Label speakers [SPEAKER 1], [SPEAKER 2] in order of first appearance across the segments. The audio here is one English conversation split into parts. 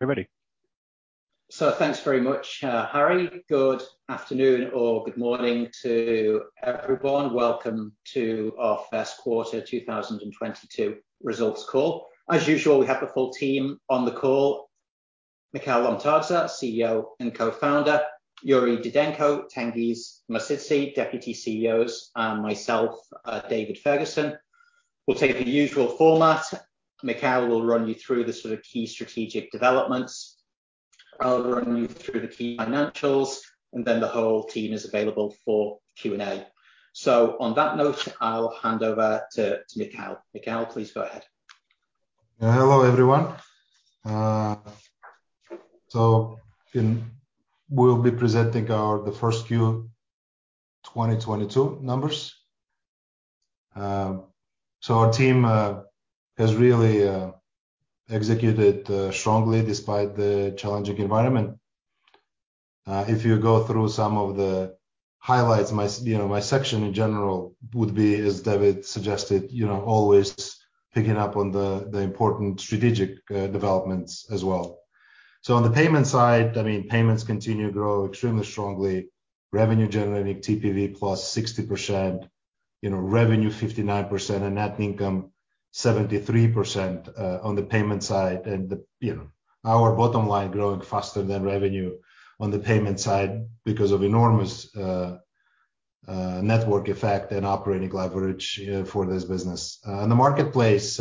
[SPEAKER 1] Hey, buddy.
[SPEAKER 2] Thanks very much, Harry. Good afternoon or good morning to everyone. Welcome to our first quarter 2022 results call. As usual, we have the full team on the call. Mikheil Lomtadze, CEO and Co-Founder. Yuri Didenko, Tengiz Mosidze, Deputy CEOs, and myself, David Ferguson. We'll take the usual format. Mikheil will run you through the sort of key strategic developments. I'll run you through the key financials, and then the whole team is available for Q&A. On that note, I'll hand over to Mikheil. Mikheil, please go ahead.
[SPEAKER 3] Hello, everyone. We'll be presenting our first Q1 2022 numbers. Our team has really executed strongly despite the challenging environment. If you go through some of the highlights, you know, my section in general would be, as David suggested, you know, always picking up on the important strategic developments as well. On the payment side, I mean, payments continue to grow extremely strongly. Revenue generating TPV +60%, you know, revenue 59% and net income 73% on the payment side. You know, our bottom line growing faster than revenue on the payment side because of enormous network effect and operating leverage for this business. In the marketplace,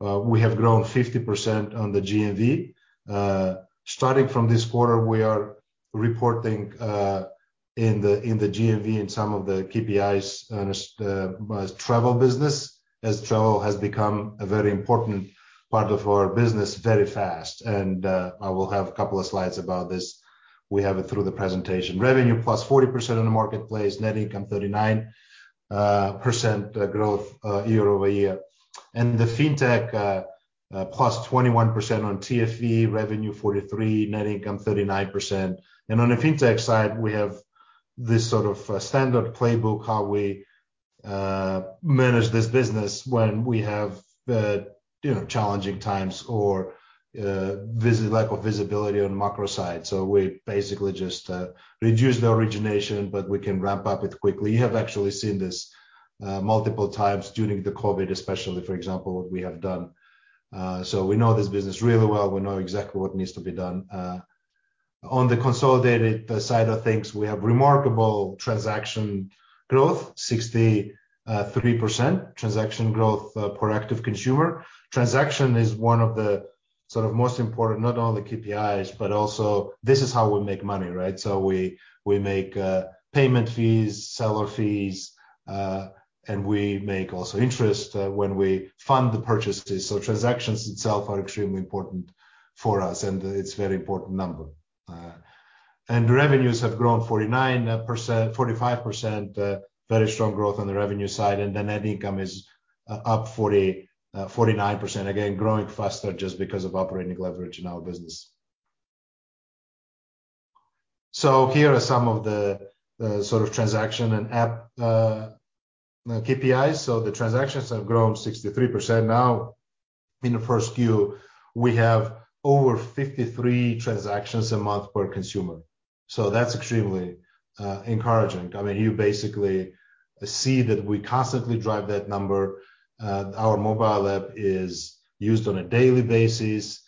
[SPEAKER 3] we have grown 50% on the GMV. Starting from this quarter, we are reporting in the GMV and some of the KPIs as travel business, as travel has become a very important part of our business very fast. I will have a couple of slides about this. We have it through the presentation. Revenue plus 40% in the marketplace, net income 39% growth year-over-year. The fintech plus 21% on TFV, revenue 43%, net income 39%. On the fintech side, we have this sort of standard playbook, how we manage this business when we have the, you know, challenging times or lack of visibility on the macro side. We basically just reduce the origination, but we can ramp up it quickly. You have actually seen this multiple times during the COVID, especially, for example, what we have done. So we know this business really well. We know exactly what needs to be done. On the consolidated side of things, we have remarkable transaction growth, 63% transaction growth per active consumer. Transaction is one of the sort of most important, not only KPIs, but also this is how we make money, right? So we make payment fees, seller fees, and we make also interest when we fund the purchases. So transactions itself are extremely important for us, and it's very important number. Revenues have grown 45%. Very strong growth on the revenue side. The net income is up 49%, again, growing faster just because of operating leverage in our business. Here are some of the sort of transaction and app KPIs. The transactions have grown 63%. Now in the first Q, we have over 53 transactions a month per consumer. That's extremely encouraging. I mean, you basically see that we constantly drive that number. Our mobile app is used on a daily basis,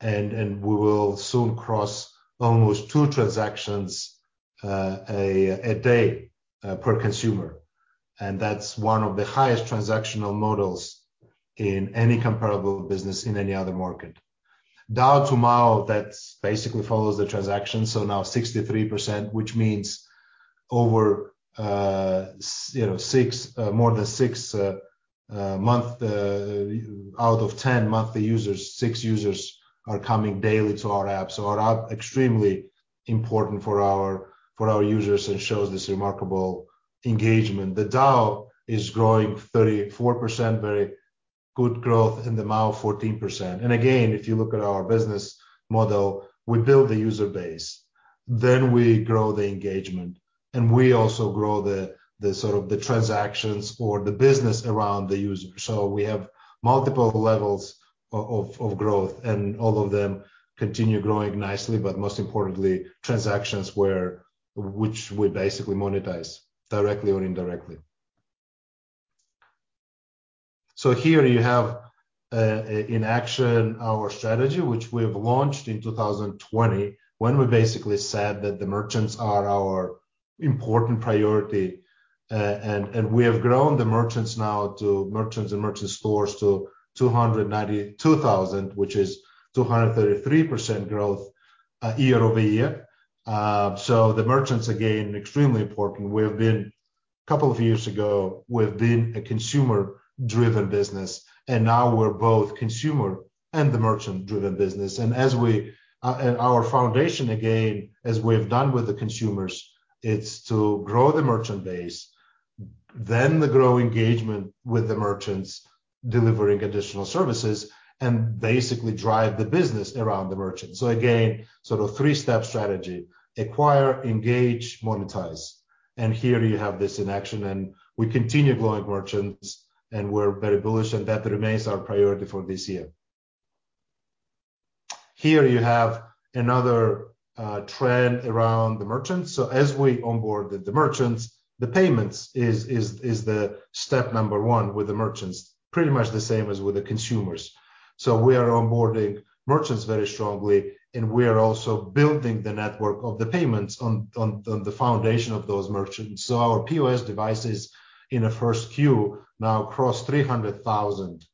[SPEAKER 3] and we will soon cross almost two transactions a day per consumer. That's one of the highest transactional models in any comparable business in any other market. DAU to MAU, that's basically follows the transaction. Now 63%, which means over six out of 10 monthly users are coming daily to our app. Our app extremely important for our users and shows this remarkable engagement. DAU is growing 34%, very good growth, and the MAU 14%. If you look at our business model, we build the user base, then we grow the engagement, and we also grow the sort of transactions or the business around the user. We have multiple levels of growth, and all of them continue growing nicely, but most importantly, transactions which we basically monetize directly or indirectly. Here you have in action our strategy which we've launched in 2020, when we basically said that the merchants are our important priority. We have grown the merchants and merchant stores to 292,000, which is 233% growth year-over-year. The merchants again, extremely important. A couple of years ago, we've been a consumer-driven business, and now we're both consumer and the merchant-driven business. Our foundation, again, as we've done with the consumers, is to grow the merchant base, then grow engagement with the merchants, delivering additional services, and basically drive the business around the merchant. Again, sort of three-step strategy, acquire, engage, monetize. Here you have this in action, and we continue growing merchants, and we're very bullish, and that remains our priority for this year. Here you have another trend around the merchants. As we onboard the merchants, payments is the step number one with the merchants. Pretty much the same as with the consumers. We are onboarding merchants very strongly, and we are also building the network of the payments on the foundation of those merchants. Our POS devices in the first Q now cross 300,000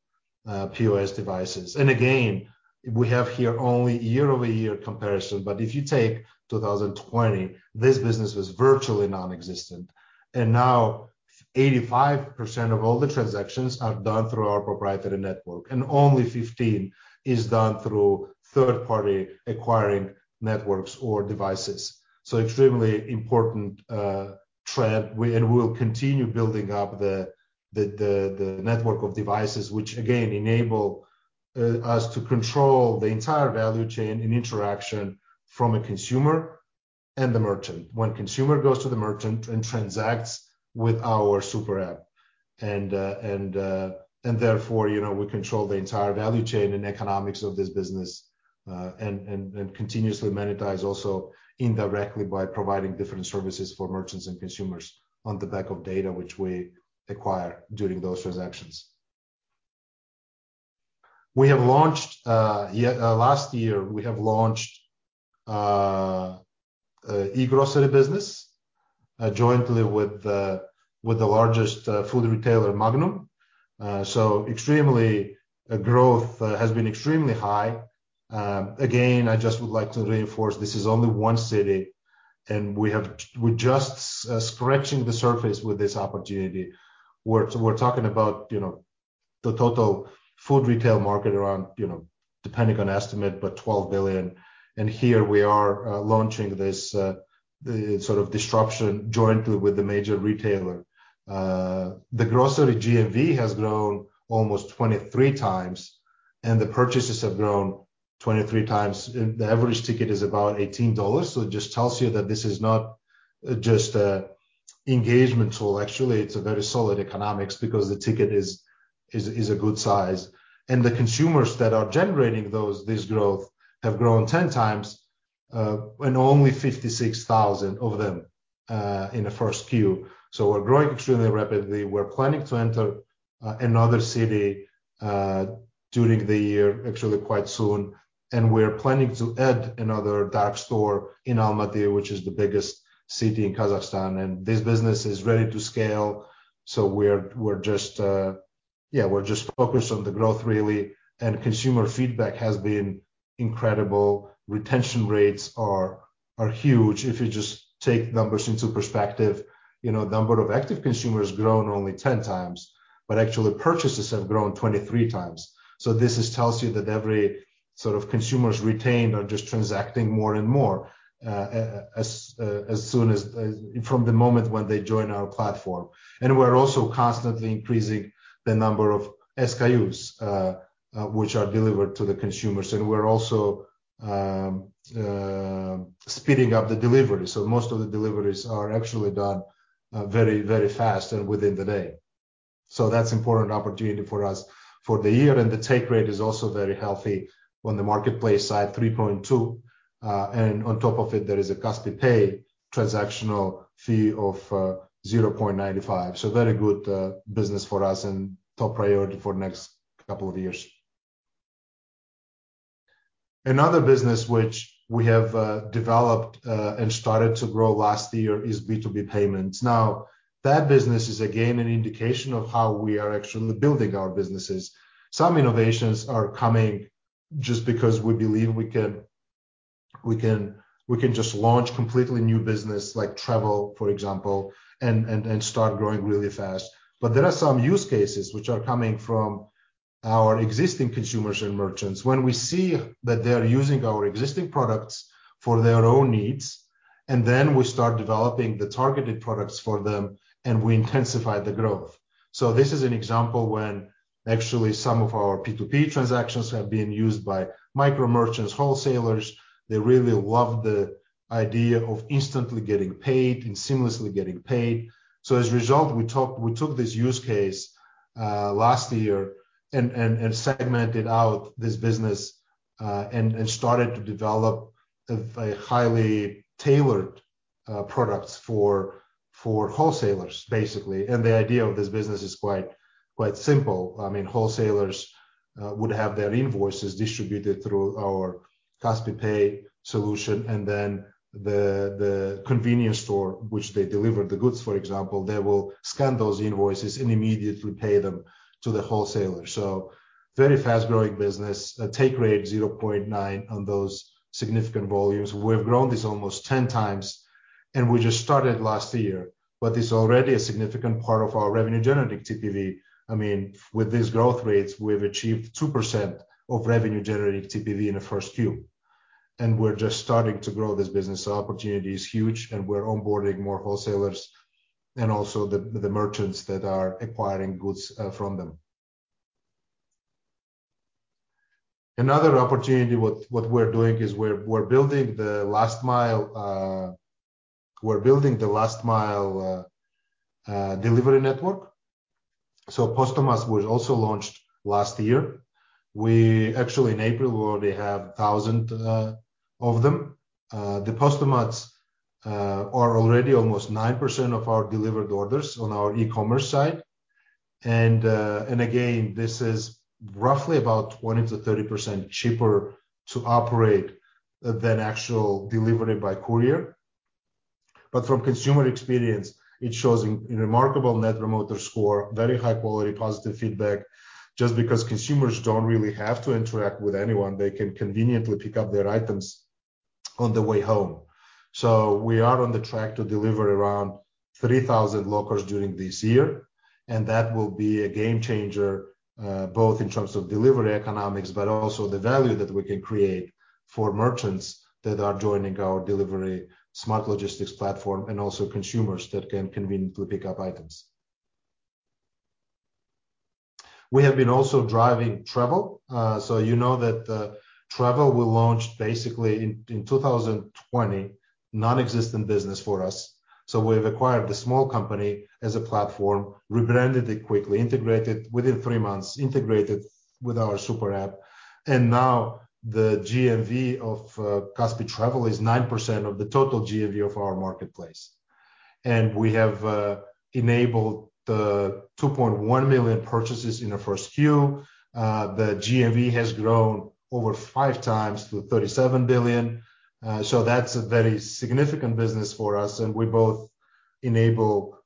[SPEAKER 3] POS devices. Again, we have here only year-over-year comparison, but if you take 2020, this business was virtually nonexistent. Now 85% of all the transactions are done through our proprietary network, and only 15% is done through third-party acquiring networks or devices. Extremely important trend. We'll continue building up the network of devices which again enable us to control the entire value chain and interaction from a consumer and the merchant. When consumer goes to the merchant and transacts with our Super App. Therefore, you know, we control the entire value chain and economics of this business, and continuously monetize also indirectly by providing different services for merchants and consumers on the back of data which we acquire during those transactions. We have launched last year a e-Grocery business jointly with the largest food retailer, Magnum. Growth has been extremely high. Again, I just would like to reinforce this is only one city, and we're just scratching the surface with this opportunity. We're talking about, you know, the total food retail market around, you know, depending on estimate, but KZT 12 billion. Here we are launching this sort of disruption jointly with the major retailer. The grocery GMV has grown almost 23x, and the purchases have grown 23x. The average ticket is about $18. It just tells you that this is not just an engagement tool. Actually, it's a very solid economics because the ticket is a good size. The consumers that are generating this growth have grown 10x, and only 56,000 of them in the first Q. We're growing extremely rapidly. We're planning to enter another city during the year, actually quite soon. We're planning to add another dark store in Almaty, which is the biggest city in Kazakhstan. This business is ready to scale. We're just focused on the growth really. Consumer feedback has been incredible. Retention rates are huge. If you just take numbers into perspective, you know, number of active consumers grown only 10x, but actually purchases have grown 23x. This tells you that every sort of consumers retained are just transacting more and more as soon as from the moment when they join our platform. We're also constantly increasing the number of SKUs which are delivered to the consumers. We're also speeding up the delivery. Most of the deliveries are actually done very, very fast and within the day. That's important opportunity for us for the year. The take rate is also very healthy on the marketplace side, 3.2%. On top of it, there is a Kaspi Pay transactional fee of 0.95%. Very good business for us and top priority for next couple of years. Another business which we have developed and started to grow last year is B2B payments. Now, that business is again an indication of how we are actually building our businesses. Some innovations are coming just because we believe we can just launch completely new business like travel, for example, and start growing really fast. But there are some use cases which are coming from our existing consumers and merchants. When we see that they're using our existing products for their own needs, and then we start developing the targeted products for them, and we intensify the growth. This is an example when actually some of our P2P transactions have been used by micro merchants, wholesalers. They really love the idea of instantly getting paid and seamlessly getting paid. As a result, we took this use case last year and segmented out this business and started to develop a highly tailored products for wholesalers, basically. The idea of this business is quite simple. I mean, wholesalers would have their invoices distributed through our Kaspi Pay solution, and then the convenience store which they deliver the goods, for example, they will scan those invoices and immediately pay them to the wholesaler. Very fast-growing business. Take rate 0.9 on those significant volumes. We've grown this almost 10 times, and we just started last year. It's already a significant part of our revenue-generating TPV. I mean, with these growth rates, we've achieved 2% of revenue-generating TPV in the first Q. We're just starting to grow this business. Opportunity is huge, and we're onboarding more wholesalers and also the merchants that are acquiring goods from them. Another opportunity with what we're doing is we're building the last mile delivery network. Postomat was also launched last year. We actually in April will already have 1,000 of them. The Postomats are already almost 9% of our delivered orders on our e-Commerce side. And again, this is roughly about 20%-30% cheaper to operate than actual delivery by courier. But from consumer experience, it shows a remarkable Net Promoter Score, very high quality, positive feedback, just because consumers don't really have to interact with anyone. They can conveniently pick up their items on the way home. We are on track to deliver around 3,000 lockers during this year, and that will be a game changer, both in terms of delivery economics, but also the value that we can create for merchants that are joining our delivery smart logistics platform and also consumers that can conveniently pick up items. We have been also driving travel. You know that, travel we launched basically in 2020, nonexistent business for us. We've acquired a small company as a platform, rebranded it quickly, integrated within three months, integrated with our Super App. Now the GMV of Kaspi Travel is 9% of the total GMV of our marketplace. We have enabled the 2.1 million purchases in the first Q. The GMV has grown over 5x to KZT 37 billion. That's a very significant business for us, and we both enable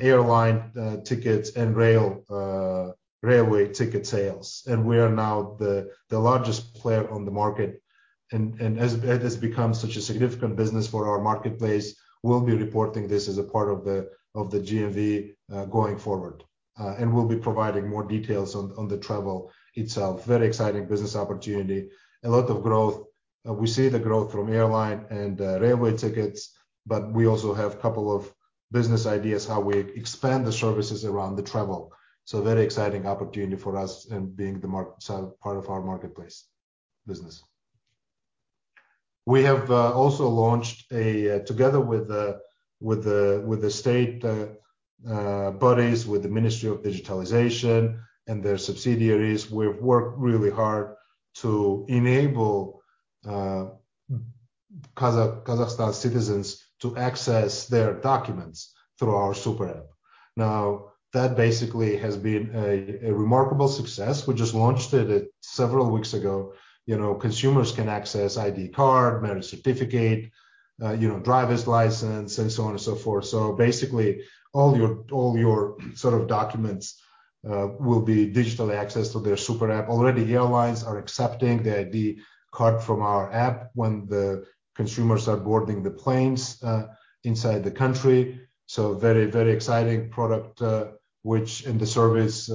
[SPEAKER 3] airline tickets and rail railway ticket sales. We are now the largest player on the market. As it has become such a significant business for our marketplace, we'll be reporting this as a part of the GMV going forward. We'll be providing more details on the travel itself. Very exciting business opportunity. A lot of growth. We see the growth from airline and railway tickets, but we also have a couple of business ideas how we expand the services around the travel. Very exciting opportunity for us and being part of our marketplace business. We have also launched together with the state bodies, with the Ministry of Digital Development and their subsidiaries. We've worked really hard to enable Kazakhstan citizens to access their documents through our Super App. Now, that basically has been a remarkable success. We just launched it several weeks ago. You know, consumers can access ID card, marriage certificate, you know, driver's license and so on and so forth. So basically, all your sort of documents will be digitally accessed through their Super App. Already airlines are accepting the ID card from our app when the consumers are boarding the planes inside the country. Very exciting product and the service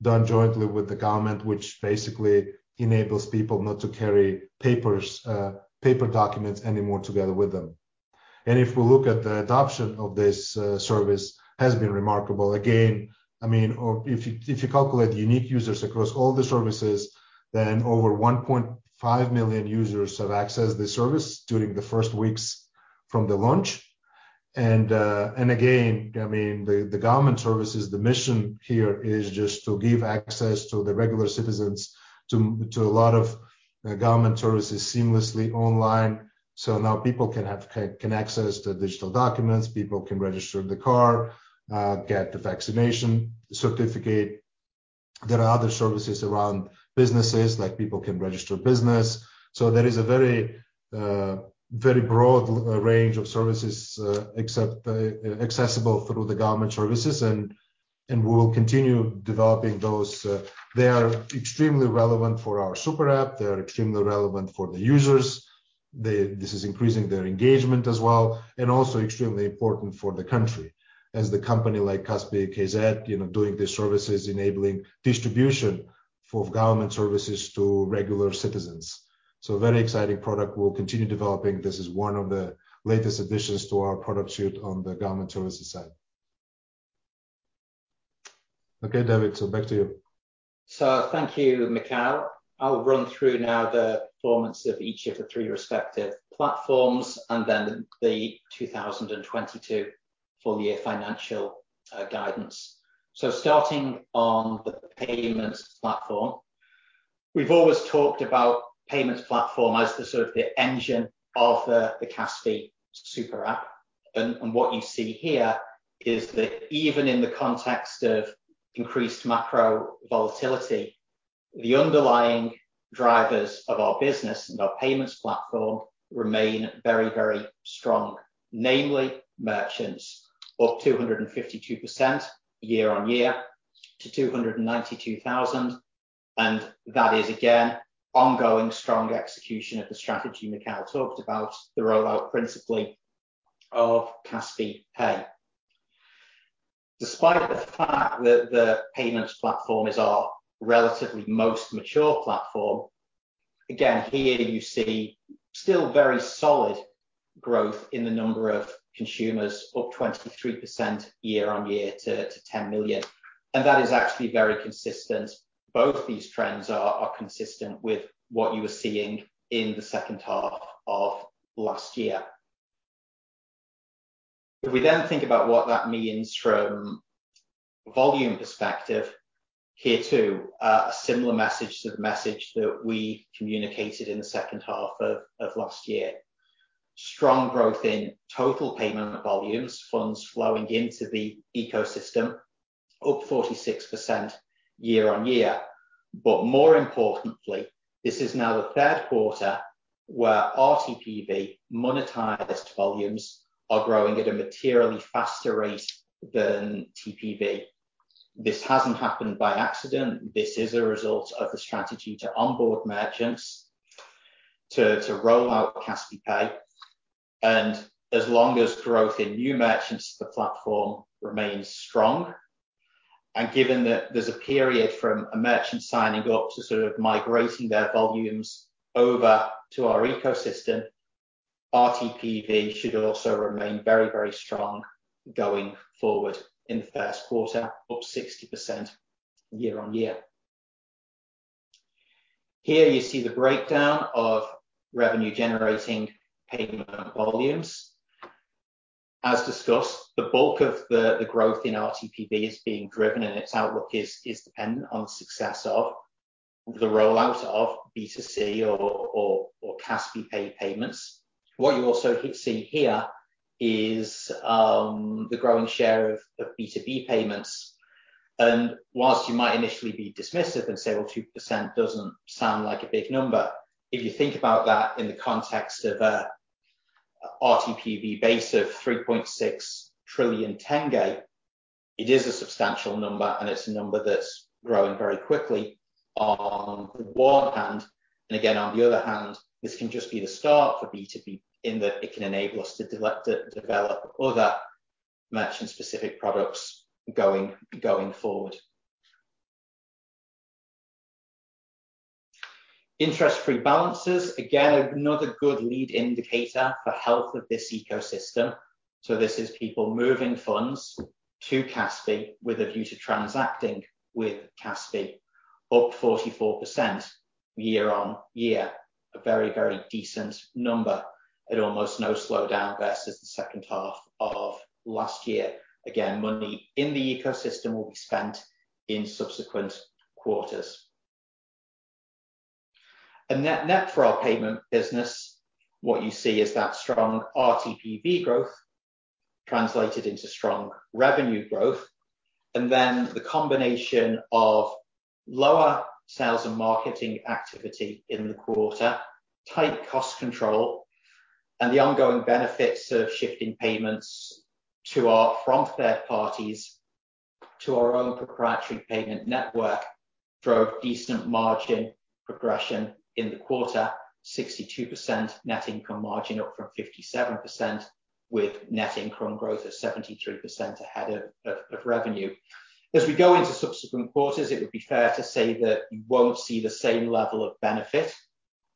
[SPEAKER 3] done jointly with the government, which basically enables people not to carry paper documents anymore with them. If we look at the adoption of this service has been remarkable. Again, I mean, or if you calculate unique users across all the services, then over 1.5 million users have accessed the service during the first weeks from the launch. Again, I mean, the government services, the mission here is just to give access to the regular citizens to a lot of government services seamlessly online. Now people can access the digital documents, people can register the car, get the vaccination certificate. There are other services around businesses, like people can register business. There is a very broad range of services, especially accessible through the government services and we will continue developing those. They are extremely relevant for our Super App. They are extremely relevant for the users. This is increasing their engagement as well, and also extremely important for the country as a company like Kaspi.kz, you know, doing these services, enabling distribution of government services to regular citizens. Very exciting product we'll continue developing. This is one of the latest additions to our product suite on the government services side. Okay, David, so back to you.
[SPEAKER 2] Thank you, Mikheil. I'll run through now the performance of each of the three respective platforms and then the 2022 full-year financial guidance. Starting on the Payments Platform. We've always talked about Payments Platform as the sort of the engine of the Kaspi Super App. What you see here is that even in the context of increased macro volatility, the underlying drivers of our business and our Payments Platform remain very, very strong. Namely, merchants up 252% year-on-year to 292,000. That is again ongoing strong execution of the strategy Mikheil talked about, the rollout principally of Kaspi Pay. Despite the fact that the Payments Platform is our relatively most mature platform, again, here you see still very solid. Growth in the number of consumers up 23% year-on-year to ten million. That is actually very consistent. Both these trends are consistent with what you were seeing in the second half of last year. If we then think about what that means from volume perspective, here too, a similar message to the message that we communicated in the second half of last year. Strong growth in total payment volumes, funds flowing into the ecosystem up 46% year-on-year. More importantly, this is now the third quarter where RTPV monetized volumes are growing at a materially faster rate than TPV. This hasn't happened by accident. This is a result of the strategy to onboard merchants to roll out Kaspi Pay. As long as growth in new merchants to the platform remains strong, and given that there's a period from a merchant signing up to sort of migrating their volumes over to our ecosystem, RTPV should also remain very, very strong going forward in the first quarter, up 60% year-on-year. Here you see the breakdown of revenue-generating payment volumes. As discussed, the bulk of the growth in RTPV is being driven, and its outlook is dependent on success of the rollout of B2C or Kaspi Pay payments. What you also see here is the growing share of B2B payments. Whilst you might initially be dismissive and say, "Well, 2% doesn't sound like a big number," if you think about that in the context of a RTPV base of KZT 3.6 trillion tenge, it is a substantial number, and it's a number that's growing very quickly on the one hand. On the other hand, this can just be the start for B2B in that it can enable us to develop other merchant-specific products going forward. Interest-free balances, again, another good lead indicator for health of this ecosystem. This is people moving funds to Kaspi with a view to transacting with Kaspi, up 44% year-on-year. A very, very decent number at almost no slowdown versus the second half of last year. Again, money in the ecosystem will be spent in subsequent quarters. For our payment business, what you see is that strong RTPV growth translated into strong revenue growth, and then the combination of lower sales and marketing activity in the quarter, tight cost control, and the ongoing benefits of shifting payments from third parties to our own proprietary payment network drove decent margin progression in the quarter. 62% net income margin up from 57%, with net income growth at 73% ahead of revenue. As we go into subsequent quarters, it would be fair to say that you won't see the same level of benefit.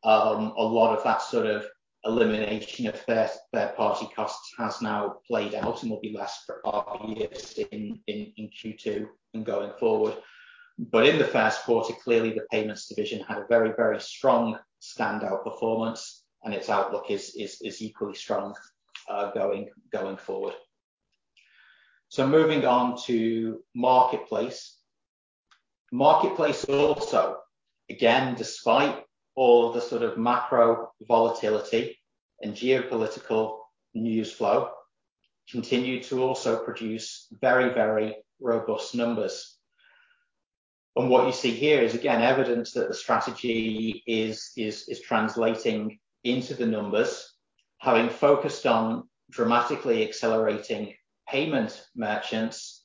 [SPEAKER 2] A lot of that sort of elimination of third party costs has now played out and will be less for our use in Q2 and going forward. In the first quarter, clearly the payments division had a very, very strong standout performance, and its outlook is equally strong, going forward. Moving on to marketplace. Marketplace also, again, despite all the sort of macro volatility and geopolitical news flow, continued to also produce very, very robust numbers. What you see here is, again, evidence that the strategy is translating into the numbers. Having focused on dramatically accelerating payment merchants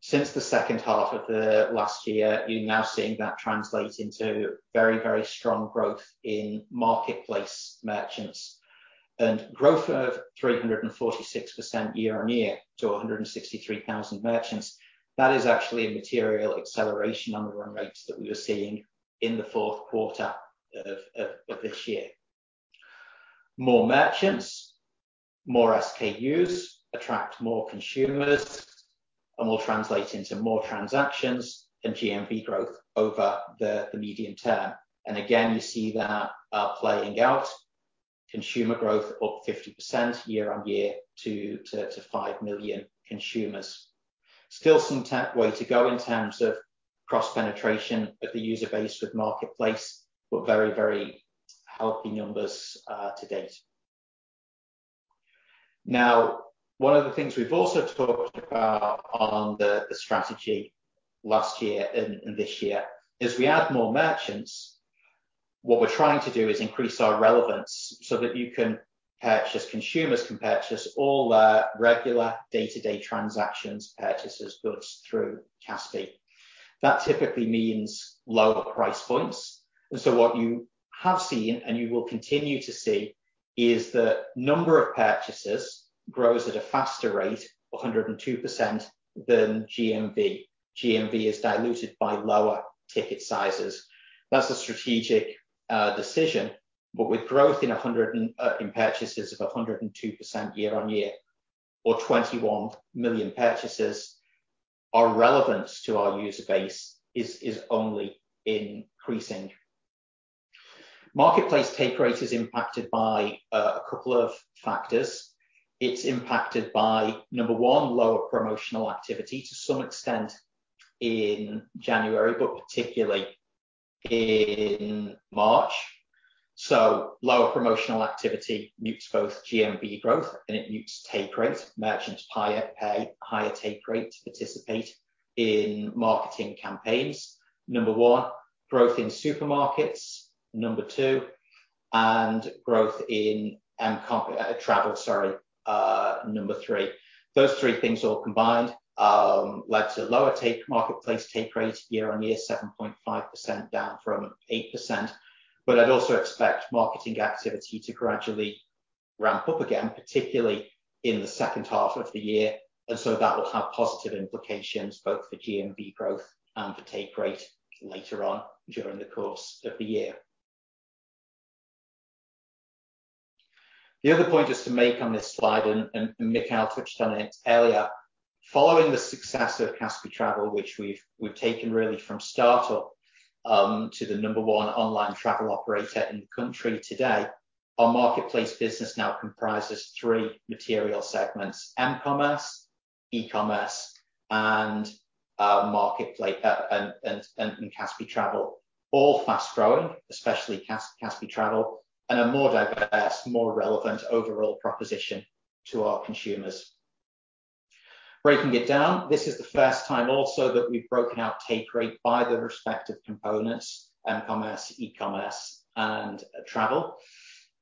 [SPEAKER 2] since the second half of the last year, you're now seeing that translate into very, very strong growth in marketplace merchants. Growth of 346% year-on-year to 163,000 merchants, that is actually a material acceleration on the run rates that we were seeing in the fourth quarter of this year. More merchants, more SKUs attract more consumers and will translate into more transactions and GMV growth over the medium term. You see that playing out. Consumer growth up 50% year-on-year to 5 million consumers. Still some way to go in terms of cross-penetration of the user base with marketplace, but very healthy numbers to date. Now, one of the things we've also talked about on the strategy last year and this year is we add more merchants. What we're trying to do is increase our relevance so that you can purchase consumers can purchase all their regular day-to-day transactions, purchases, goods through Kaspi. That typically means lower price points. What you have seen and you will continue to see is the number of purchases grows at a faster rate, 102% than GMV. GMV is diluted by lower ticket sizes. That's a strategic decision, but with growth in purchases of 102% year-on-year or 21 million purchases, our relevance to our user base is only increasing. Marketplace take rate is impacted by a couple of factors. It's impacted by number one, lower promotional activity to some extent in January, but particularly in March. Lower promotional activity nukes both GMV growth, and it nukes take rate. Merchants pay a higher take rate to participate in marketing campaigns, number one. Growth in supermarkets, number two, and growth in travel, number three. Those three things all combined led to lower marketplace take rate year-over-year, 7.5% down from 8%. I'd also expect marketing activity to gradually ramp up again, particularly in the second half of the year. That will have positive implications both for GMV growth and for take rate later on during the course of the year. The other point just to make on this slide, and Mikhail touched on it earlier. Following the success of Kaspi Travel, which we've taken really from start-up to the number one online travel operator in the country today, our marketplace business now comprises three material segments, mCommerce, e-Commerce, and Kaspi Travel, all fast growing, especially Kaspi Travel, and a more diverse, more relevant overall proposition to our consumers. Breaking it down, this is the first time also that we've broken out take rate by the respective components mCommerce, e-Commerce, and Travel.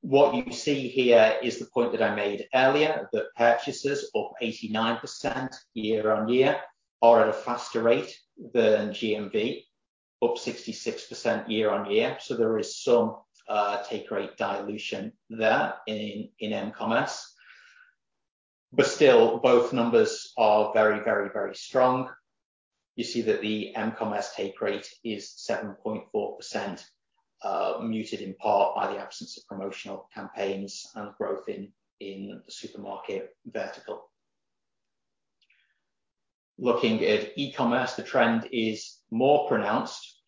[SPEAKER 2] What you see here is the point that I made earlier, that purchases up 89% year-on-year are at a faster rate than GMV, up 66% year-on-year. There is some take rate dilution there in mCommerce. Still, both numbers are very, very, very strong. You see that the mCommerce take rate is 7.4%, muted in part by the absence of promotional campaigns and growth in the supermarket vertical. Looking at e-Commerce, the trend is more pronounced,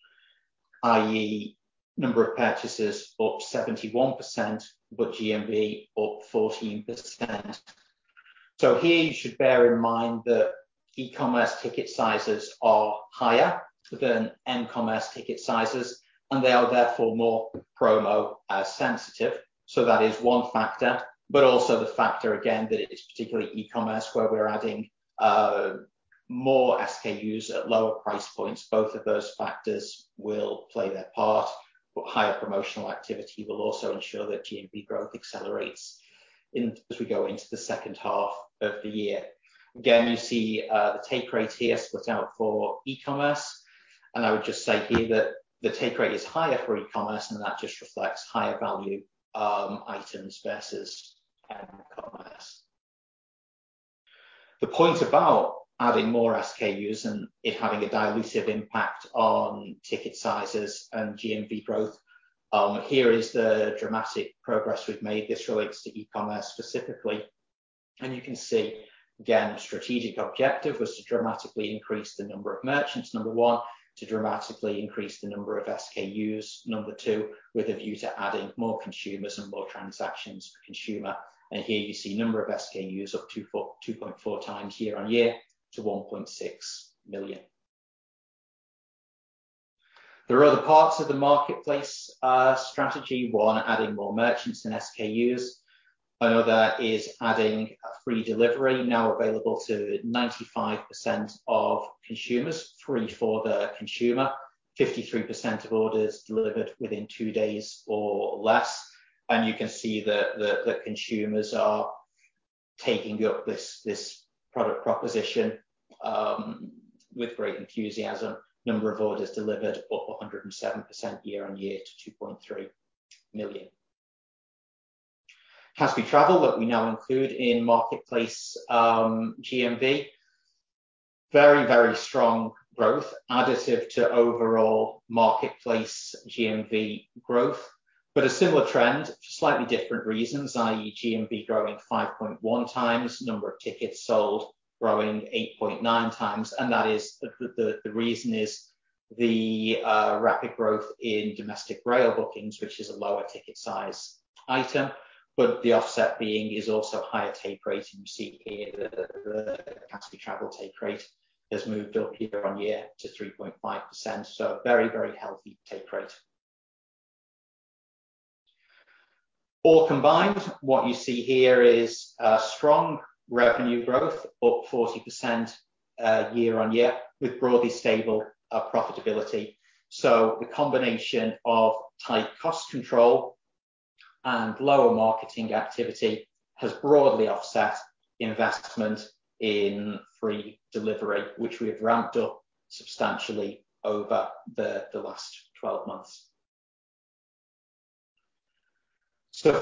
[SPEAKER 2] i.e., number of purchases up 71%, but GMV up 14%. Here you should bear in mind that e-Commerce ticket sizes are higher than mCommerce ticket sizes, and they are therefore more promo sensitive. That is one factor, but also the factor, again, that it is particularly e-Commerce where we're adding more SKUs at lower price points. Both of those factors will play their part, but higher promotional activity will also ensure that GMV growth accelerates as we go into the second half of the year. Again, you see the take rate here split out for e-Commerce, and I would just say here that the take rate is higher for e-Commerce, and that just reflects higher value items versus m-Commerce. The point about adding more SKUs and it having a dilutive impact on ticket sizes and GMV growth, here is the dramatic progress we've made. This relates to e-Commerce specifically. You can see, again, the strategic objective was to dramatically increase the number of merchants, number one. To dramatically increase the number of SKUs, number two, with a view to adding more consumers and more transactions per consumer. Here you see number of SKUs up 2.4x year-on-year to 1.6 million. There are other parts of the marketplace strategy. One, adding more merchants and SKUs. Another is adding free delivery, now available to 95% of consumers. Free for the consumer. 53% of orders delivered within two days or less. You can see that the consumers are taking up this product proposition with great enthusiasm. Number of orders delivered up 107% year-on-year to 2.3 million. Kaspi Travel that we now include in marketplace GMV. Very, very strong growth additive to overall marketplace GMV growth, but a similar trend for slightly different reasons, i.e., GMV growing 5.1x, number of tickets sold growing 8.9x. That is the reason is the rapid growth in domestic rail bookings, which is a lower ticket size item. The offset being is also higher take rate, and you see here the Kaspi Travel take rate has moved up year-over-year to 3.5%. A very, very healthy take rate. All combined, what you see here is strong revenue growth, up 40% year-over-year with broadly stable profitability. The combination of tight cost control and lower marketing activity has broadly offset investment in free delivery, which we have ramped up substantially over the last 12 months.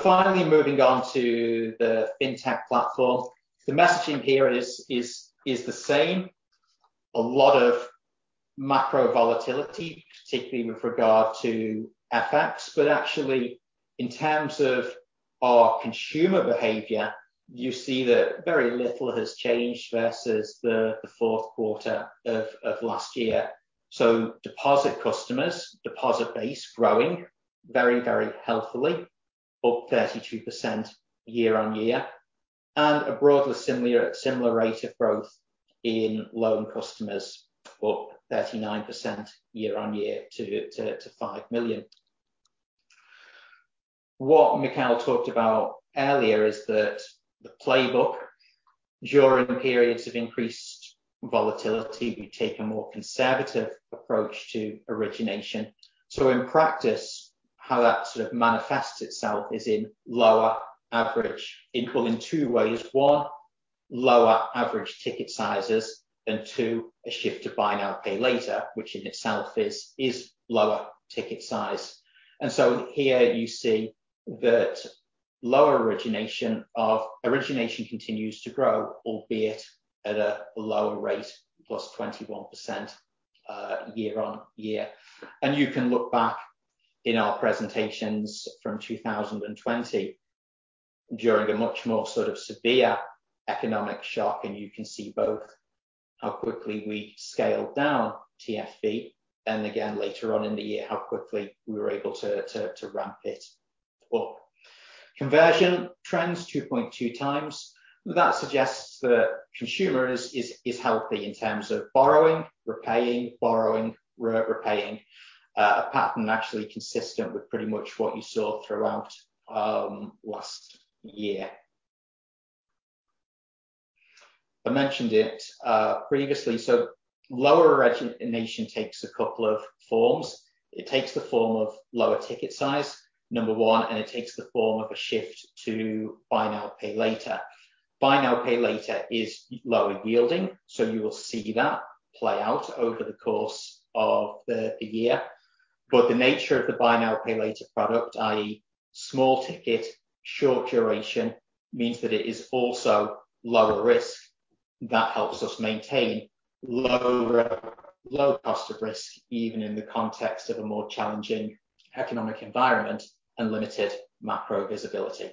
[SPEAKER 2] Finally moving on to the Fintech platform. The messaging here is the same. A lot of macro volatility, particularly with regard to FX. Actually in terms of our consumer behavior, you see that very little has changed versus the fourth quarter of last year. Deposit customers, deposit base growing very healthily, up 32% year-on-year, and a broadly similar rate of growth in loan customers, up 39% year-on-year to 5 million. What Mikheil talked about earlier is that the playbook during periods of increased volatility, we take a more conservative approach to origination. In practice, how that sort of manifests itself is in lower average. Well, in two ways. One, lower average ticket sizes, and two, a shift to buy now, pay later, which in itself is lower ticket size. Here you see that lower origination continues to grow, albeit at a lower rate, +21% year-over-year. You can look back in our presentations from 2020 during a much more sort of severe economic shock, and you can see both how quickly we scaled down TFV, and again, later on in the year, how quickly we were able to ramp it up. Conversion trends 2.2x. That suggests the consumer is healthy in terms of borrowing, repaying, borrowing, repaying, a pattern actually consistent with pretty much what you saw throughout last year. I mentioned it previously, so lower origination takes a couple of forms. It takes the form of lower ticket size, number one, and it takes the form of a shift to buy now, pay later. Buy now, pay later is lower yielding, so you will see that play out over the course of the year. The nature of the buy now, pay later product, i.e., small ticket, short duration, means that it is also lower risk. That helps us maintain lower cost of risk, even in the context of a more challenging economic environment and limited macro visibility.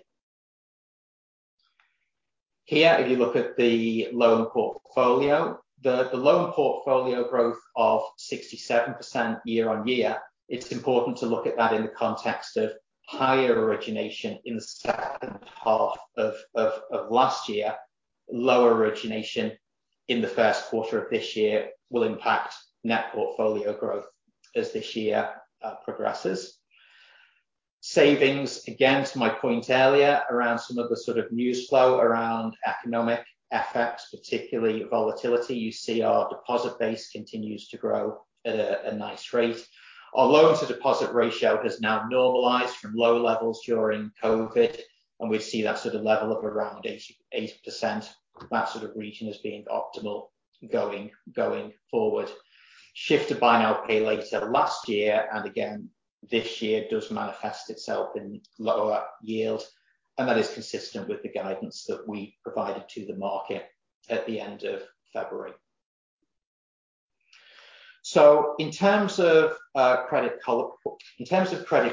[SPEAKER 2] Here, if you look at the loan portfolio, the loan portfolio growth of 67% year-on-year, it's important to look at that in the context of higher origination in the second half of last year. Lower origination in the first quarter of this year will impact net portfolio growth as this year progresses. Savings, again, to my point earlier around some of the sort of news flow around economic effects, particularly volatility, you see our deposit base continues to grow at a nice rate. Our loans to deposit ratio has now normalized from low levels during COVID, and we see that sort of level of around 80%. That sort of region as being optimal going forward. Shift to buy now, pay later last year, and again this year does manifest itself in lower yield, and that is consistent with the guidance that we provided to the market at the end of February. In terms of credit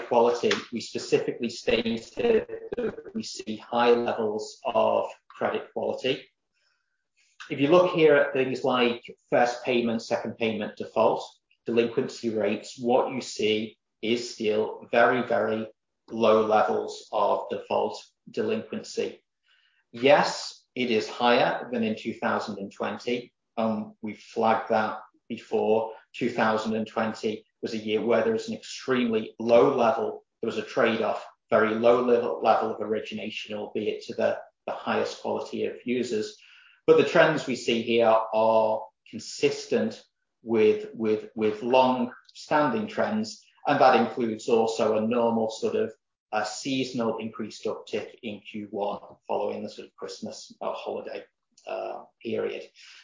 [SPEAKER 2] quality, we specifically stated that we see high levels of credit quality. If you look here at things like first payment, second payment defaults, delinquency rates, what you see is still very, very low levels of default delinquency. Yes, it is higher than in 2020. We flagged that before. 2020 was a year where there was an extremely low level. There was a trade-off, very low level of origination, albeit to the highest quality of users. The trends we see here are consistent with longstanding trends, and that includes also a normal sort of seasonal increase or uptick in Q1 following the sort of Christmas holiday period.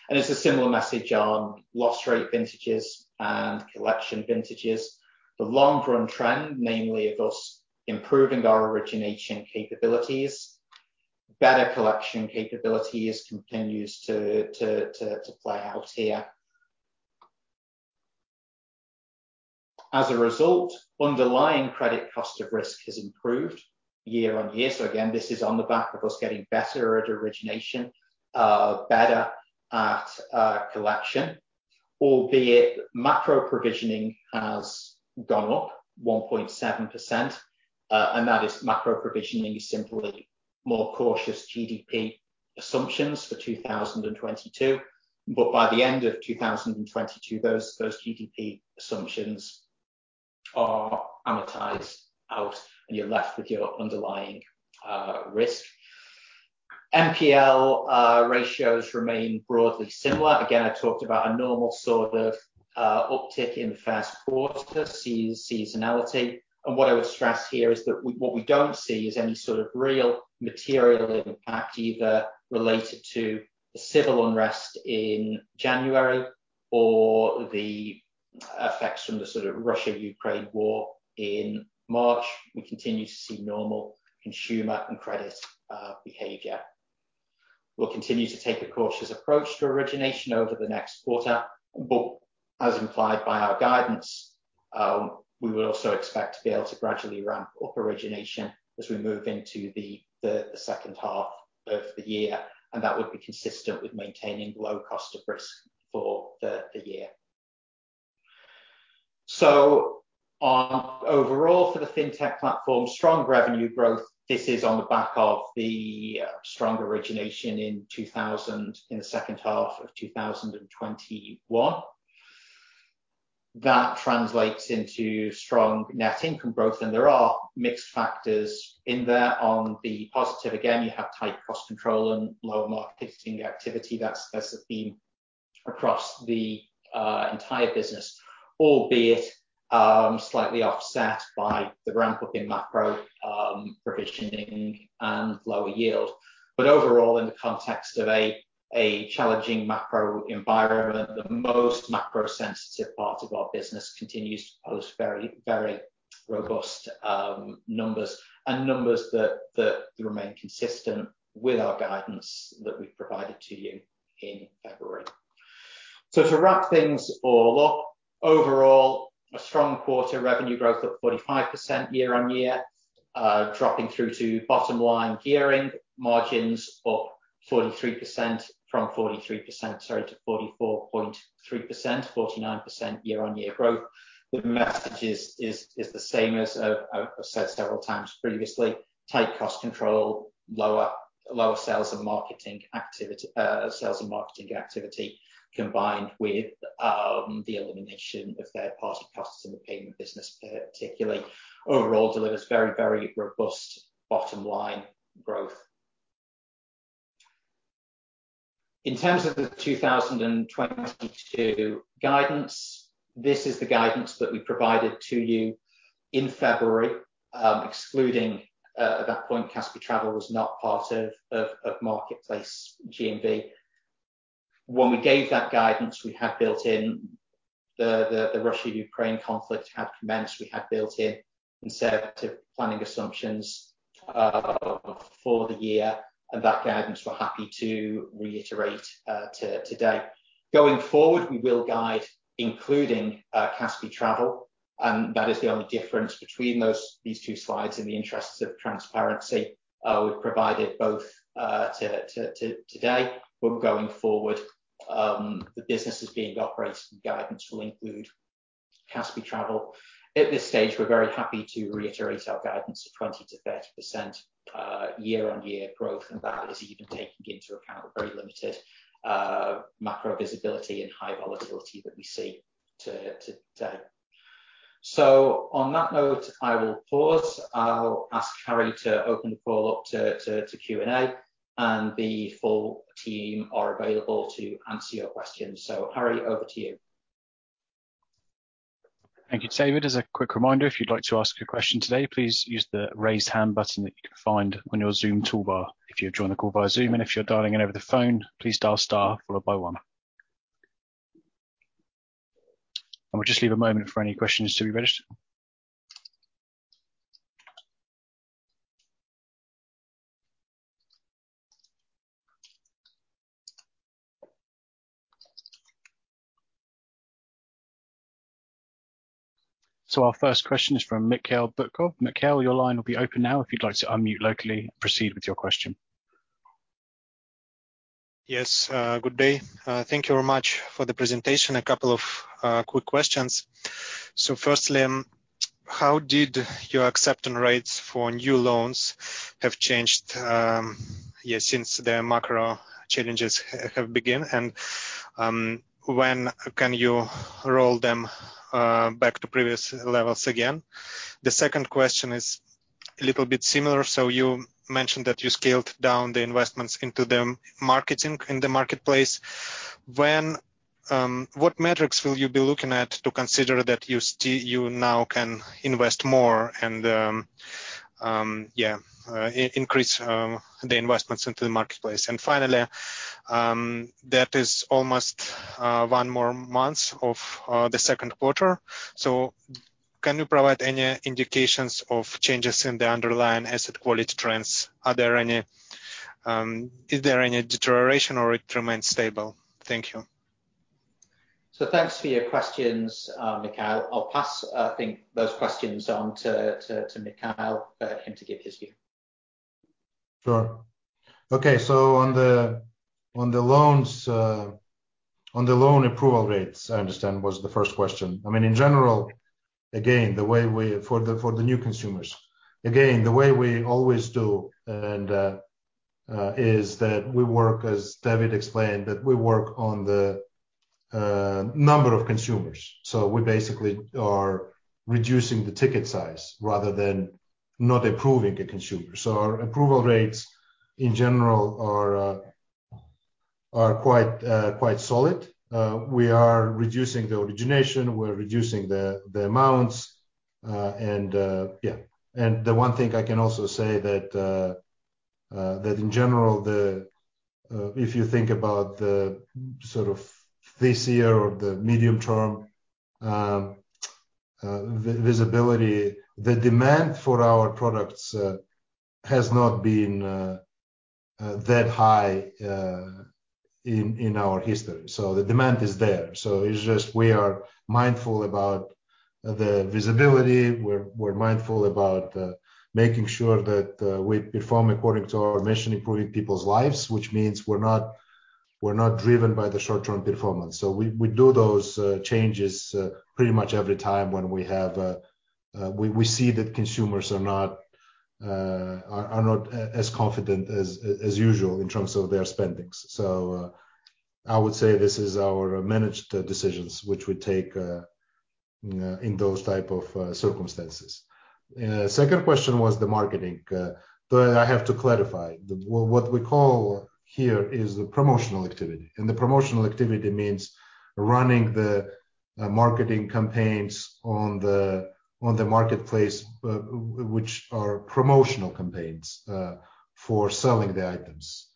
[SPEAKER 2] It's a similar message on loss rate vintages and collection vintages. The long run trend, namely of us improving our origination capabilities, better collection capabilities continues to play out here. As a result, underlying credit cost of risk has improved year-over-year. Again, this is on the back of us getting better at origination, better at collection, albeit macro provisioning has gone up 1.7%, and that is macro provisioning, simply more cautious GDP assumptions for 2022. By the end of 2022, those GDP assumptions are amortized out, and you're left with your underlying risk. NPL ratios remain broadly similar. Again, I talked about a normal sort of uptick in first quarter seasonality. What I would stress here is that we don't see is any sort of real material impact either related to the civil unrest in January or the effects from the sort of Russia-Ukraine war in March. We continue to see normal consumer and credit behavior. We'll continue to take a cautious approach to origination over the next quarter, but as implied by our guidance, we would also expect to be able to gradually ramp up origination as we move into the second half of the year, and that would be consistent with maintaining low cost of risk for the year. Overall for the Fintech Platform, strong revenue growth. This is on the back of the strong origination in the second half of 2021. That translates into strong net income growth, and there are mixed factors in there. On the positive, again, you have tight cost control and lower market activity. That's a theme across the entire business, albeit slightly offset by the ramp up in macro provisioning and lower yield. Overall, in the context of a challenging macro environment, the most macro sensitive part of our business continues to post very robust numbers that remain consistent with our guidance that we provided to you in February. To wrap things all up, overall, a strong quarter revenue growth up 45% year-on-year. Dropping through to bottom line gearing margins up 43% from 43%, sorry, to 44.3%, 49% year-on-year growth. The message is the same as I've said several times previously, tight cost control, lower sales and marketing activity combined with the elimination of third-party costs in the payment business particularly, overall delivers very robust bottom line growth. In terms of the 2022 guidance, this is the guidance that we provided to you in February, excluding, at that point Kaspi Travel was not part of of marketplace GMV. When we gave that guidance, we had built in the Russia-Ukraine conflict had commenced. We had built in conservative planning assumptions for the year and that guidance we're happy to reiterate today. Going forward, we will guide including Kaspi Travel, and that is the only difference between these two slides. In the interests of transparency, we've provided both to today, but going forward, the business is being operated and guidance will include Kaspi Travel. At this stage, we're very happy to reiterate our guidance of 20%-30% year-on-year growth, and that is even taking into account our very limited macro visibility and high volatility that we see to date. On that note, I will pause. I'll ask Harry to open the call up to Q&A, and the full team are available to answer your questions. Harry, over to you.
[SPEAKER 1] Thank you, David. As a quick reminder, if you'd like to ask a question today, please use the raise hand button that you can find on your Zoom toolbar if you've joined the call via Zoom. If you're dialing in over the phone, please dial star followed by one. We'll just leave a moment for any questions to be registered. Our first question is from Mikhail Butkov. Mikhail, your line will be open now. If you'd like to unmute locally, proceed with your question.
[SPEAKER 4] Yes, good day. Thank you very much for the presentation. A couple of quick questions. Firstly, how did your acceptance rates for new loans have changed since the macro challenges have began? When can you roll them back to previous levels again? The second question is a little bit similar. You mentioned that you scaled down the investments into the marketing in the marketplace. What metrics will you be looking at to consider that you now can invest more and increase the investments into the marketplace? Finally, that is almost one more month of the second quarter. Can you provide any indications of changes in the underlying asset quality trends? Is there any deterioration or it remains stable? Thank you.
[SPEAKER 2] Thanks for your questions, Mikhail. I'll pass those questions on to Mikheil to give his view.
[SPEAKER 3] Sure. Okay. On the loans, the loan approval rates, I understand was the first question. I mean, in general, again, for the new consumers, again, the way we always do is that we work, as David explained, on the number of consumers. We basically are reducing the ticket size rather than not approving a consumer. Our approval rates in general are quite solid. We are reducing the origination. We're reducing the amounts. And yeah. The one thing I can also say that in general, if you think about the sort of this year or the medium term, the visibility, the demand for our products, has not been that high in our history. The demand is there. It's just we are mindful about the visibility. We're mindful about making sure that we perform according to our mission, improving people's lives, which means we're not driven by the short-term performance. We do those changes pretty much every time when we see that consumers are not as confident as usual in terms of their spending. I would say this is our managed decisions, which we take in those type of circumstances. Second question was the marketing. I have to clarify. What we call here is the promotional activity, and the promotional activity means running the marketing campaigns on the marketplace, which are promotional campaigns for selling the items.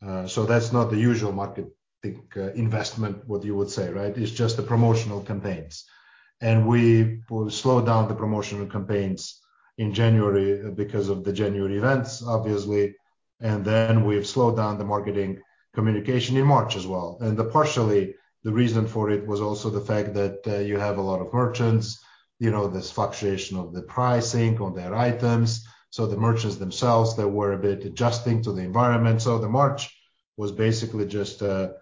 [SPEAKER 3] That's not the usual marketing investment, what you would say, right? It's just the promotional campaigns. We will slow down the promotional campaigns in January because of the January events, obviously. We've slowed down the marketing communication in March as well. Partially, the reason for it was also the fact that you have a lot of merchants, you know, this fluctuation of the pricing on their items. The merchants themselves, they were a bit adjusting to the environment. The March was basically just the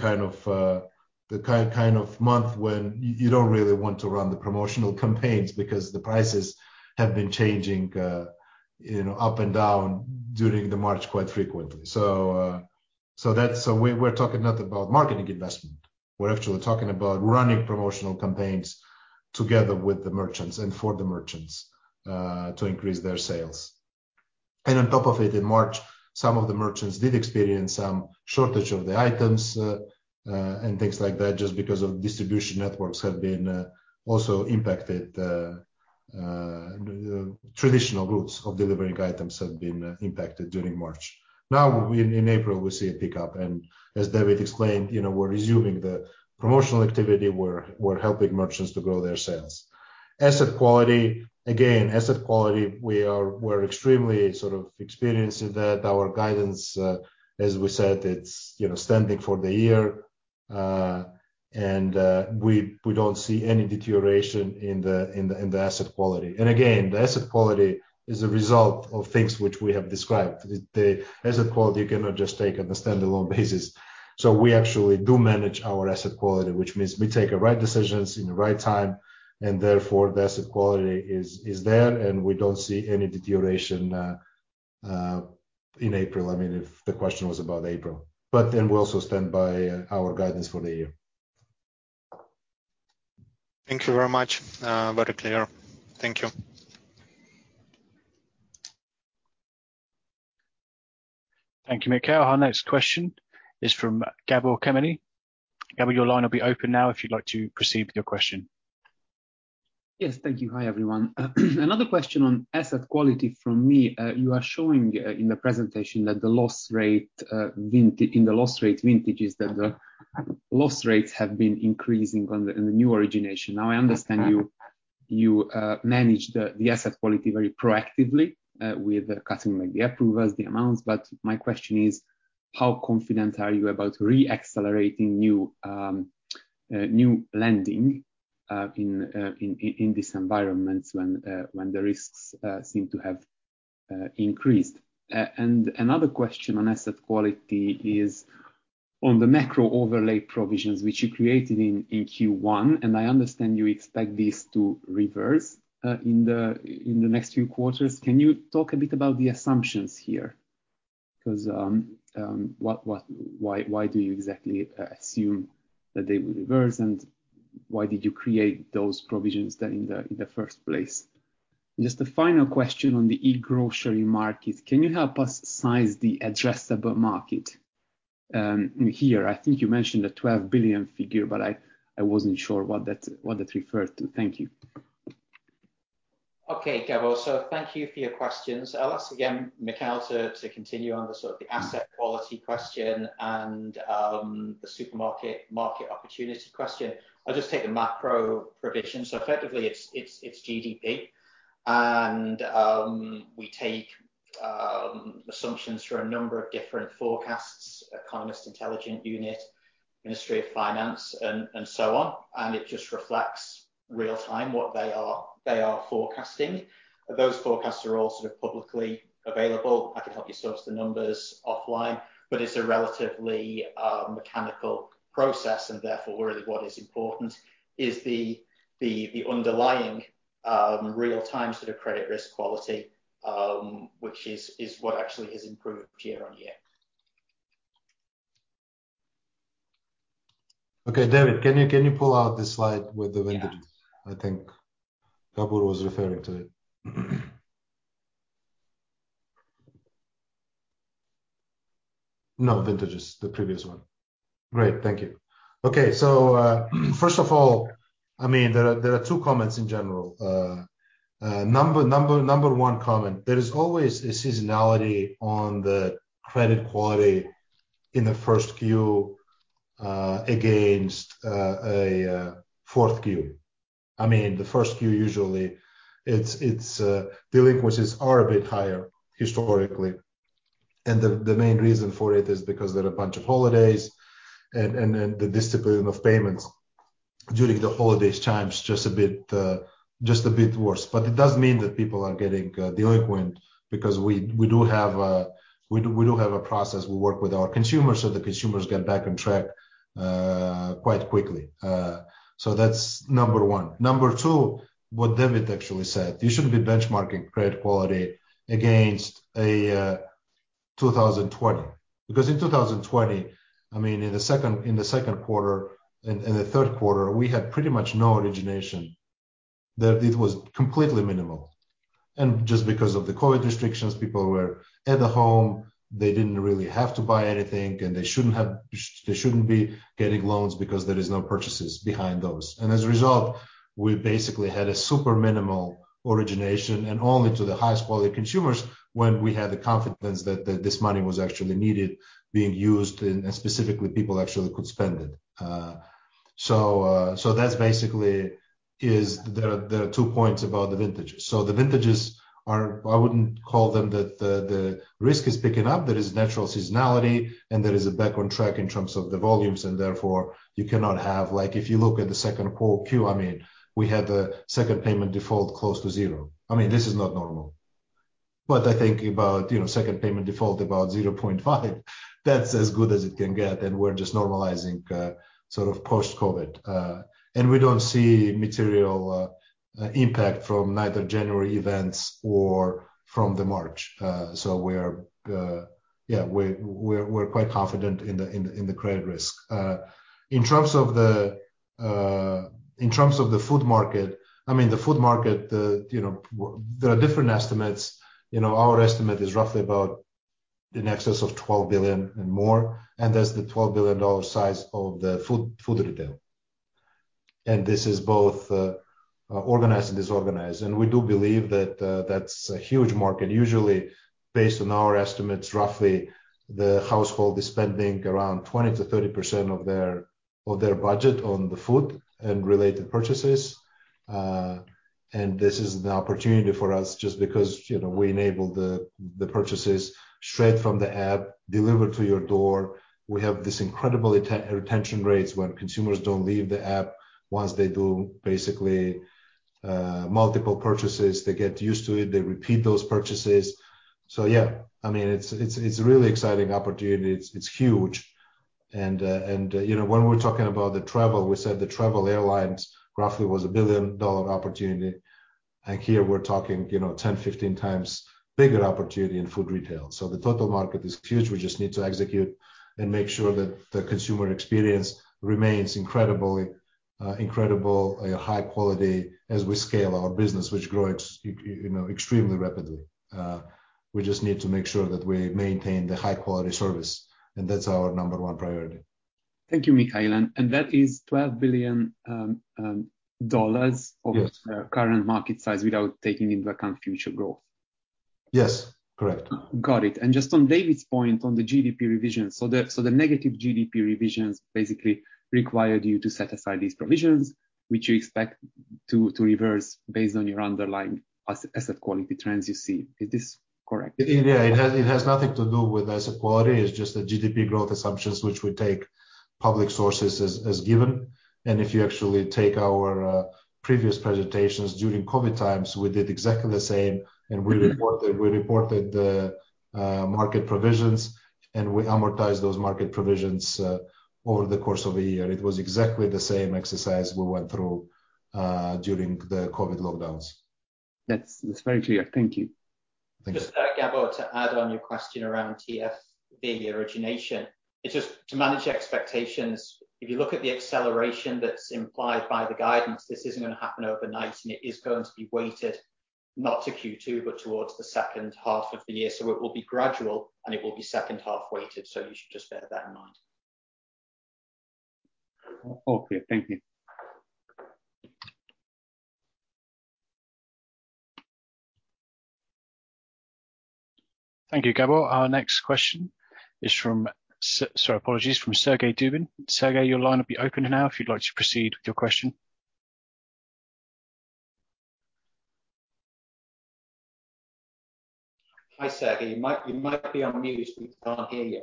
[SPEAKER 3] kind of month when you don't really want to run the promotional campaigns because the prices have been changing, you know, up and down during the March quite frequently. That's. We're talking not about marketing investment. We're actually talking about running promotional campaigns together with the merchants and for the merchants to increase their sales. On top of it, in March, some of the merchants did experience some shortage of the items and things like that just because distribution networks have been also impacted. Traditional routes of delivering items have been impacted during March. Now in April, we see a pickup. As David explained, you know, we're resuming the promotional activity. We're helping merchants to grow their sales. Asset quality, again, we're extremely sort of experiencing that. Our guidance, as we said, you know, is standing for the year. We don't see any deterioration in the asset quality. Again, the asset quality is a result of things which we have described. The asset quality, you cannot just take on a standalone basis. We actually do manage our asset quality, which means we take the right decisions at the right time, and therefore the asset quality is there, and we don't see any deterioration in April. I mean, if the question was about April. We also stand by our guidance for the year.
[SPEAKER 4] Thank you very much. Very clear. Thank you.
[SPEAKER 1] Thank you, Mikhail. Our next question is from Gabor Kemeny. Gabor, your line will be open now if you'd like to proceed with your question.
[SPEAKER 5] Yes, thank you. Hi, everyone. Another question on asset quality from me. You are showing in the presentation that the loss rate in the loss rate vintages that the loss rates have been increasing in the new origination. Now, I understand you manage the asset quality very proactively with cutting like the approvals, the amounts. My question is, how confident are you about re-accelerating new lending in this environment when the risks seem to have increased? Another question on asset quality is on the macro overlay provisions which you created in Q1, and I understand you expect this to reverse in the next few quarters. Can you talk a bit about the assumptions here? 'Cause what... Why do you exactly assume that they will reverse, and why did you create those provisions then in the first place? Just a final question on the e-Grocery market. Can you help us size the addressable market, here? I think you mentioned the KZT 12 billion figure, but I wasn't sure what that referred to. Thank you.
[SPEAKER 2] Okay, Gabor. Thank you for your questions. I'll ask Mikhail again to continue on the sort of the asset quality question and the supermarket market opportunity question. I'll just take the macro provision. Effectively it's GDP. We take assumptions for a number of different forecasts, Economist Intelligence Unit, Ministry of Finance and so on, and it just reflects real-time what they are forecasting. Those forecasts are all sort of publicly available. I can help you source the numbers offline, but it's a relatively mechanical process, and therefore, really what is important is the underlying real-time sort of credit risk quality, which is what actually has improved year-on-year. Okay, David, can you pull out the slide with the vintage?
[SPEAKER 5] Yeah.
[SPEAKER 3] I think Gabor was referring to it. No vintages, the previous one. Great. Thank you. Okay. First of all, I mean, there are two comments in general. Number one comment: there is always a seasonality on the credit quality in the first Q against a fourth Q. I mean, the first Q usually it's delinquencies are a bit higher historically, and the main reason for it is because there are a bunch of holidays and the discipline of payments during the holidays time is just a bit worse. It doesn't mean that people are getting delinquent because we do have a process. We work with our consumers, so the consumers get back on track quite quickly. That's number one. Number two, what David actually said, you should be benchmarking credit quality against a 2020. Because in 2020, I mean, in the second quarter and the third quarter, we had pretty much no origination. It was completely minimal. Just because of the COVID restrictions, people were at home. They didn't really have to buy anything, and they shouldn't be getting loans because there is no purchases behind those. As a result, we basically had a super minimal origination and only to the highest quality consumers when we had the confidence that this money was actually needed being used and specifically people actually could spend it. That's basically the two points about the vintages. The vintages are. I wouldn't call them the risk is picking up. There is natural seasonality, and there is a back on track in terms of the volumes and therefore you cannot have like if you look at the second Q, I mean, we had a second payment default close to zero. I mean, this is not normal. I think about, you know, second payment default about 0.5, that's as good as it can get, and we're just normalizing sort of post-COVID. We don't see material impact from neither January events or from the March. We're quite confident in the credit risk. In terms of the food market, I mean, the food market, you know, there are different estimates. You know, our estimate is roughly about in excess of $12 billion and more, and that's the $12 billion size of the food retail. We do believe that that's a huge market. Usually, based on our estimates, roughly the household is spending around 20%-30% of their budget on the food and related purchases. This is an opportunity for us just because, you know, we enable the purchases straight from the app delivered to your door. We have this incredible retention rates when consumers don't leave the app. Once they do basically multiple purchases, they get used to it, they repeat those purchases. Yeah. I mean, it's a really exciting opportunity. It's huge. You know, when we're talking about the travel, we said the travel airlines roughly was a billion-dollar opportunity. Here we're talking, you know, 10, 15x bigger opportunity in food retail. The total market is huge. We just need to execute and make sure that the consumer experience remains incredible high quality as we scale our business, which grows you know extremely rapidly. We just need to make sure that we maintain the high-quality service, and that's our number one priority.
[SPEAKER 5] Thank you, Mikheil. That is $12 billion.
[SPEAKER 3] Yes.
[SPEAKER 5] Of current market size without taking into account future growth?
[SPEAKER 3] Yes. Correct.
[SPEAKER 5] Got it. Just on David's point on the GDP revision. The negative GDP revisions basically required you to set aside these provisions which you expect to reverse based on your underlying asset quality trends you see. Is this correct?
[SPEAKER 3] Yeah. It has nothing to do with asset quality. It's just the GDP growth assumptions which we take public sources as given. If you actually take our previous presentations during COVID times, we did exactly the same, and we reported the market provisions, and we amortized those market provisions over the course of a year. It was exactly the same exercise we went through during the COVID lockdowns.
[SPEAKER 5] That's very clear. Thank you.
[SPEAKER 3] Thank you.
[SPEAKER 2] Just, Gabor, to add on your question around TFV origination. It's just to manage expectations, if you look at the acceleration that's implied by the guidance, this isn't gonna happen overnight, and it is going to be weighted, not to Q2, but towards the second half of the year. It will be gradual, and it will be second half weighted, so you should just bear that in mind.
[SPEAKER 5] All clear. Thank you.
[SPEAKER 1] Thank you, Gabor. Our next question is from Sergey Dubin. Sergey, your line will be open now if you'd like to proceed with your question. Hi, Sergei. You might be on mute. We can't hear you.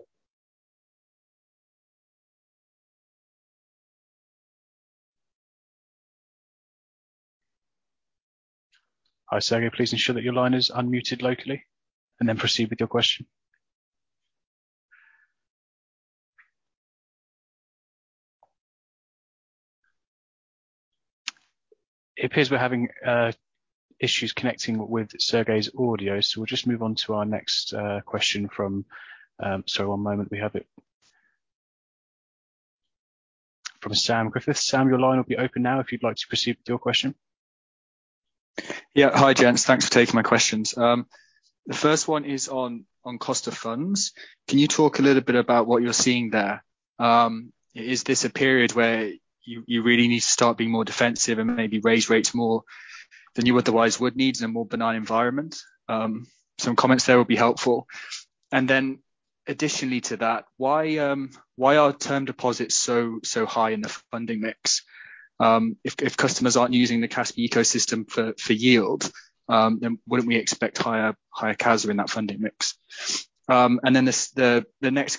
[SPEAKER 1] Hi, Sergey. Please ensure that your line is unmuted locally and then proceed with your question. It appears we're having issues connecting with Sergey's audio, so we'll just move on to our next question from. Sorry, one moment. We have it from Sam Griffiths. Sam, your line will be open now if you'd like to proceed with your question.
[SPEAKER 6] Yeah. Hi, gents. Thanks for taking my questions. The first one is on cost of funds. Can you talk a little bit about what you're seeing there? Is this a period where you really need to start being more defensive and maybe raise rates more than you otherwise would need in a more benign environment? Some comments there will be helpful. Additionally to that, why are term deposits so high in the funding mix? If customers aren't using the Kaspi ecosystem for yield, then wouldn't we expect higher CASA in that funding mix? The next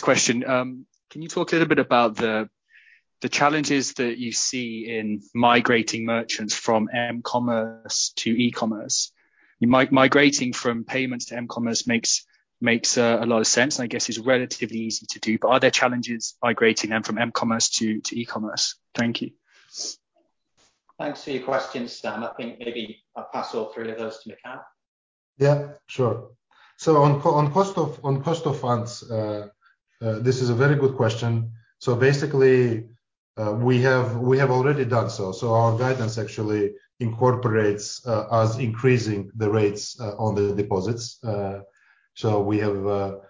[SPEAKER 6] question, can you talk a little bit about the challenges that you see in migrating merchants from m-Commerce to e-Commerce? Migrating from payments to m-Commerce makes a lot of sense, and I guess it's relatively easy to do, but are there challenges migrating them from m-Commerce to e-Commerce? Thank you.
[SPEAKER 2] Thanks for your questions, Sam. I think maybe I'll pass all three of those to Mikheil.
[SPEAKER 3] Yeah, sure. On cost of funds, this is a very good question. Basically, we have already done so. Our guidance actually incorporates us increasing the rates on the deposits. The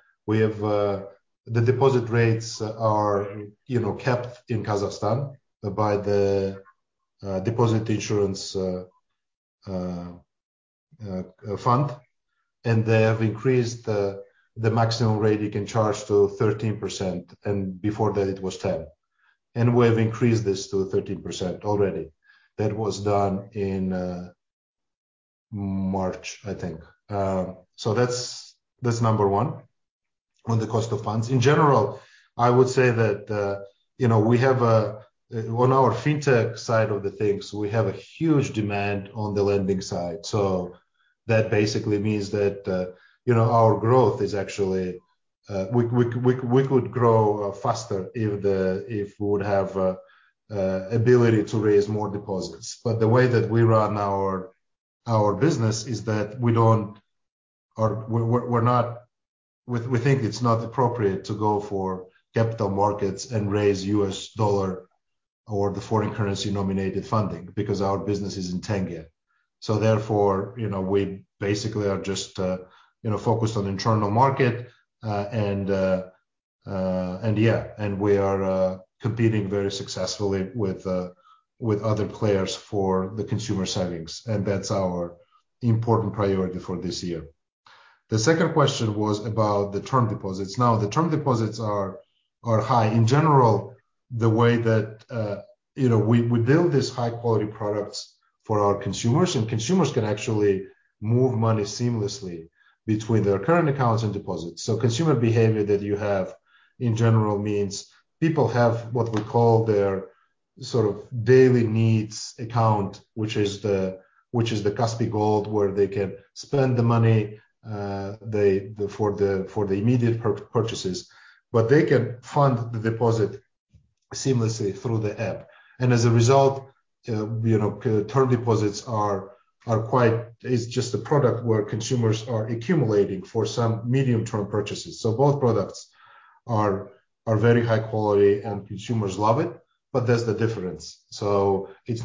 [SPEAKER 3] deposit rates are, you know, capped in Kazakhstan by the deposit insurance fund, and they have increased the maximum rate you can charge to 13%, and before that it was 10%. We have increased this to 13% already. That was done in March, I think. That's number one on the cost of funds. In general, I would say that, you know, we have, on our fintech side of the things, we have a huge demand on the lending side. That basically means that, you know, our growth is actually we could grow faster if we would have ability to raise more deposits. But the way that we run our business is that we think it's not appropriate to go for capital markets and raise U.S. dollar or the foreign currency denominated funding because our business is in tenge. Therefore, you know, we basically are just, you know, focused on internal market, and yeah. We are competing very successfully with other players for the consumer savings, and that's our important priority for this year. The second question was about the term deposits. Now, the term deposits are high. In general, the way that you know we build these high quality products for our consumers, and consumers can actually move money seamlessly between their current accounts and deposits. Consumer behavior that you have in general means people have what we call their sort of daily needs account, which is the Kaspi Gold, where they can spend the money for the immediate purchases. They can fund the deposit seamlessly through the app. As a result, you know, term deposits are quite. It's just a product where consumers are accumulating for some medium-term purchases. Both products are very high quality and consumers love it, but there's the difference. It's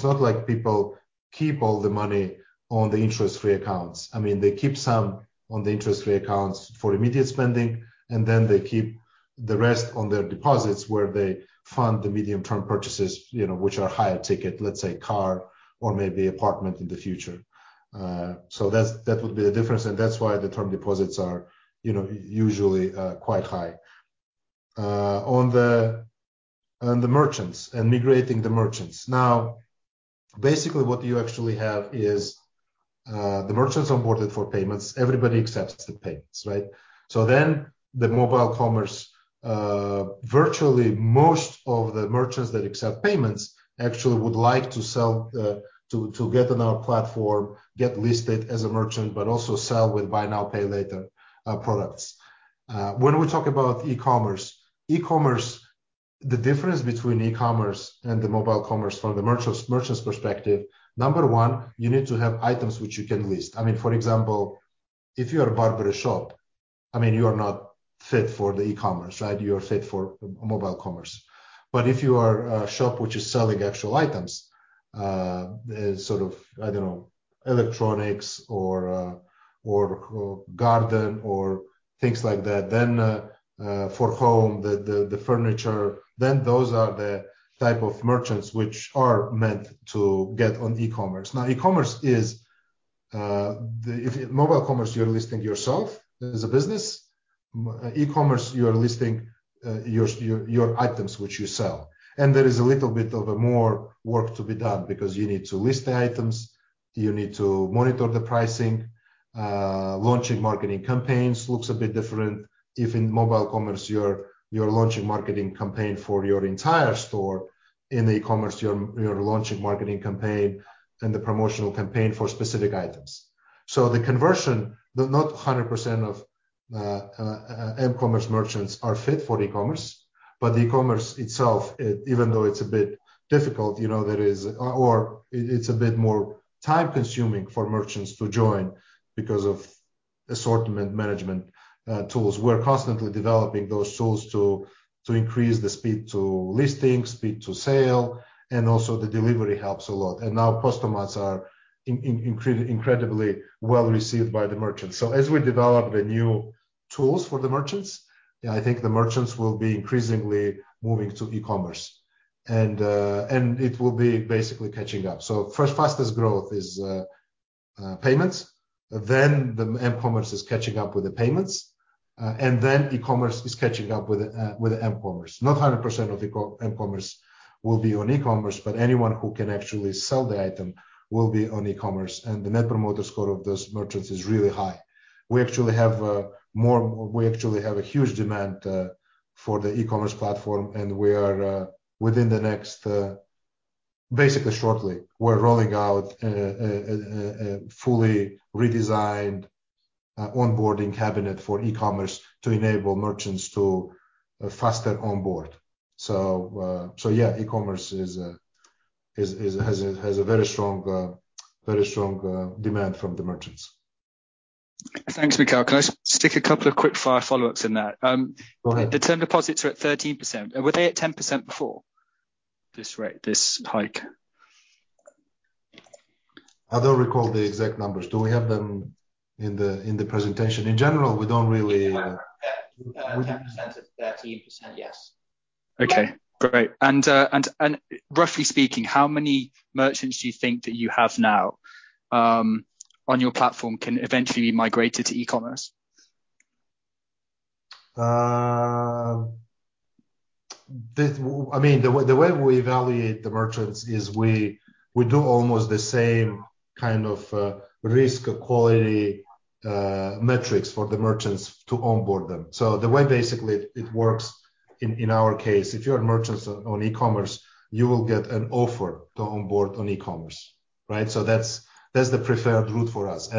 [SPEAKER 3] not like people keep all the money on the interest-free accounts. I mean, they keep some on the interest-free accounts for immediate spending, and then they keep the rest on their deposits where they fund the medium-term purchases, you know, which are higher ticket, let's say car or maybe apartment in the future. That's the difference, and that's why the term deposits are, you know, usually quite high. On the merchants and migrating the merchants. Now, basically what you actually have is the merchants on board for payments, everybody accepts the payments, right? The mobile commerce, virtually most of the merchants that accept payments actually would like to sell to get on our platform, get listed as a merchant, but also sell with buy now, pay later products. When we talk about e-Commerce, e-Commerce. The difference between e-Commerce and the mobile commerce from the merchant's perspective, number one, you need to have items which you can list. I mean, for example, if you are a barber shop, I mean, you are not fit for the e-Commerce, right? You are fit for mobile commerce. If you are a shop which is selling actual items, sort of, I don't know, electronics or garden or things like that, then for home, the furniture, then those are the type of merchants which are meant to get on e-Commerce. Now, e-Commerce is the. If mobile commerce, you're listing yourself as a business. e-Commerce, you are listing your items which you sell. There is a little bit of a more work to be done because you need to list the items, you need to monitor the pricing. Launching marketing campaigns looks a bit different. If in m-Commerce, you're launching marketing campaign for your entire store. In the e-Commerce, you're launching marketing campaign and the promotional campaign for specific items. The conversion, not 100% of m-Commerce merchants are fit for e-Commerce, but the e-Commerce itself, even though it's a bit difficult or it's a bit more time-consuming for merchants to join because of assortment management tools. We're constantly developing those tools to increase the speed to listing, speed to sale, and also the delivery helps a lot. Now Postomats are incredibly well received by the merchants. As we develop the new tools for the merchants, I think the merchants will be increasingly moving to e-Commerce. It will be basically catching up. First fastest growth is payments, then the m-Commerce is catching up with the payments, and then e-Commerce is catching up with the m-Commerce. Not 100% of e-Commerce m-Commerce will be on e-Commerce, but anyone who can actually sell the item will be on e-Commerce, and the Net Promoter Score of those merchants is really high. We actually have a huge demand for the e-Commerce platform, and we are within the next basically shortly, we're rolling out a fully redesigned onboarding cabinet for e-Commerce to enable merchants to faster onboard. Yeah, e-Commerce has a very strong demand from the merchants.
[SPEAKER 6] Thanks, Mikhail. Can I stick a couple of quick-fire follow-ups in that?
[SPEAKER 3] Go ahead.
[SPEAKER 6] The term deposits are at 13%. Were they at 10% before this rate, this hike?
[SPEAKER 3] I don't recall the exact numbers. Do we have them in the presentation? In general, we don't really.
[SPEAKER 2] 10%-13%, yes.
[SPEAKER 6] Okay, great. Roughly speaking, how many merchants do you think that you have now on your platform can eventually be migrated to e-Commerce?
[SPEAKER 3] I mean, the way we evaluate the merchants is we do almost the same kind of risk quality metrics for the merchants to onboard them. The way basically it works in our case, if you're a merchant on e-Commerce, you will get an offer to onboard on e-Commerce, right? That's the preferred route for us.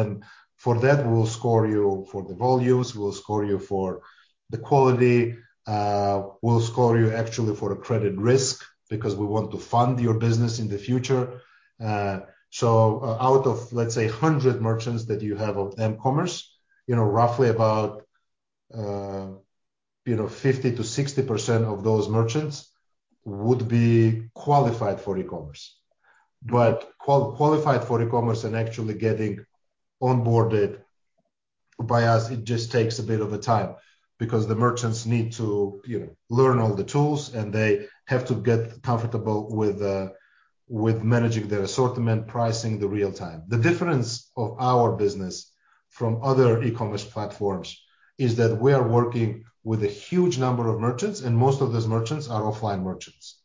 [SPEAKER 3] For that, we'll score you for the volumes. We'll score you for the quality. We'll score you actually for a credit risk because we want to fund your business in the future. Out of, let's say, 100 merchants that you have of m-Commerce, you know, roughly about, you know, 50%-60% of those merchants would be qualified for e-Commerce. Qualified for e-Commerce and actually getting onboarded by us, it just takes a bit of a time because the merchants need to, you know, learn all the tools, and they have to get comfortable with managing their assortment, pricing in real time. The difference of our business from other e-Commerce platforms is that we are working with a huge number of merchants, and most of those merchants are offline merchants.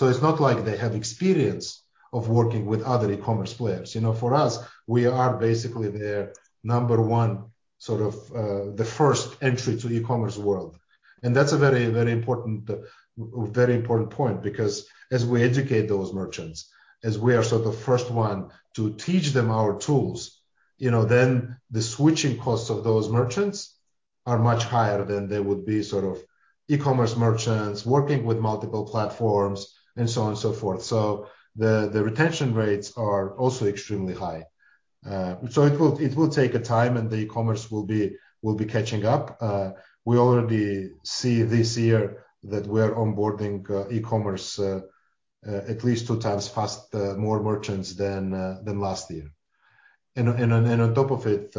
[SPEAKER 3] It's not like they have experience of working with other e-Commerce players. You know, for us, we are basically their number one, sort of, the first entry to the e-Commerce world. That's a very important point because as we educate those merchants, as we are sort of first one to teach them our tools, you know, then the switching costs of those merchants are much higher than they would be sort of e-Commerce merchants working with multiple platforms and so on and so forth. The retention rates are also extremely high. It will take a time, and the e-Commerce will be catching up. We already see this year that we are onboarding e-Commerce at least two times faster more merchants than last year. On top of it,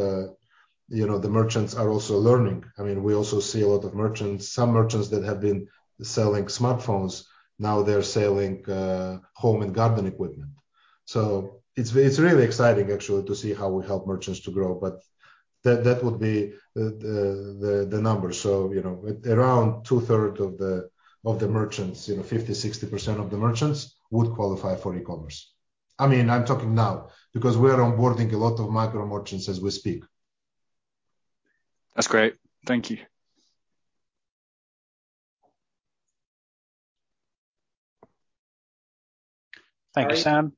[SPEAKER 3] you know, the merchants are also learning. I mean, we also see a lot of merchants, some merchants that have been selling smartphones, now they're selling home and garden equipment. It's really exciting actually to see how we help merchants to grow. That would be the numbers. You know, around two-thirds of the merchants you know, 50%-60% of the merchants would qualify for e-Commerce. I mean, I'm talking now because we are onboarding a lot of micro merchants as we speak.
[SPEAKER 6] That's great. Thank you.
[SPEAKER 1] Thank you, Sam.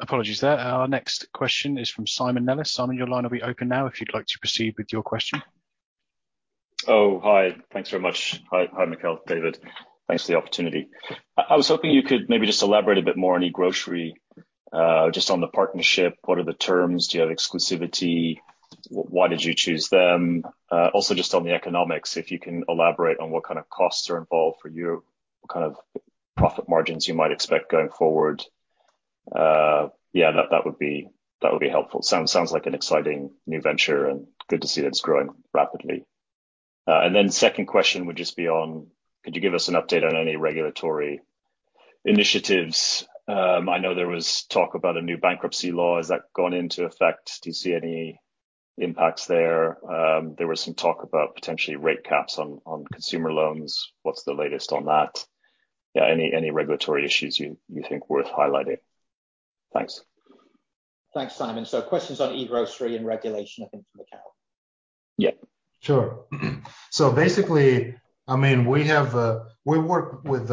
[SPEAKER 1] Apologies there. Our next question is from Simon Nellis. Simon, your line will be open now if you'd like to proceed with your question.
[SPEAKER 7] Oh, hi. Thanks very much. Hi, Mikheil, David. Thanks for the opportunity. I was hoping you could maybe just elaborate a bit more on e-Grocery, just on the partnership. What are the terms? Do you have exclusivity? Why did you choose them? Also just on the economics, if you can elaborate on what kind of costs are involved for you, what kind of profit margins you might expect going forward. Yeah, that would be helpful. Sounds like an exciting new venture and good to see that it's growing rapidly. Second question would just be, could you give us an update on any regulatory initiatives? I know there was talk about a new bankruptcy law. Has that gone into effect? Do you see any impacts there? There was some talk about potentially rate caps on consumer loans. What's the latest on that? Yeah, any regulatory issues you think worth highlighting? Thanks.
[SPEAKER 2] Thanks, Simon. Questions on e-Grocery and regulation, I think for Mikhail.
[SPEAKER 7] Yeah.
[SPEAKER 3] Sure. Basically, I mean, we work with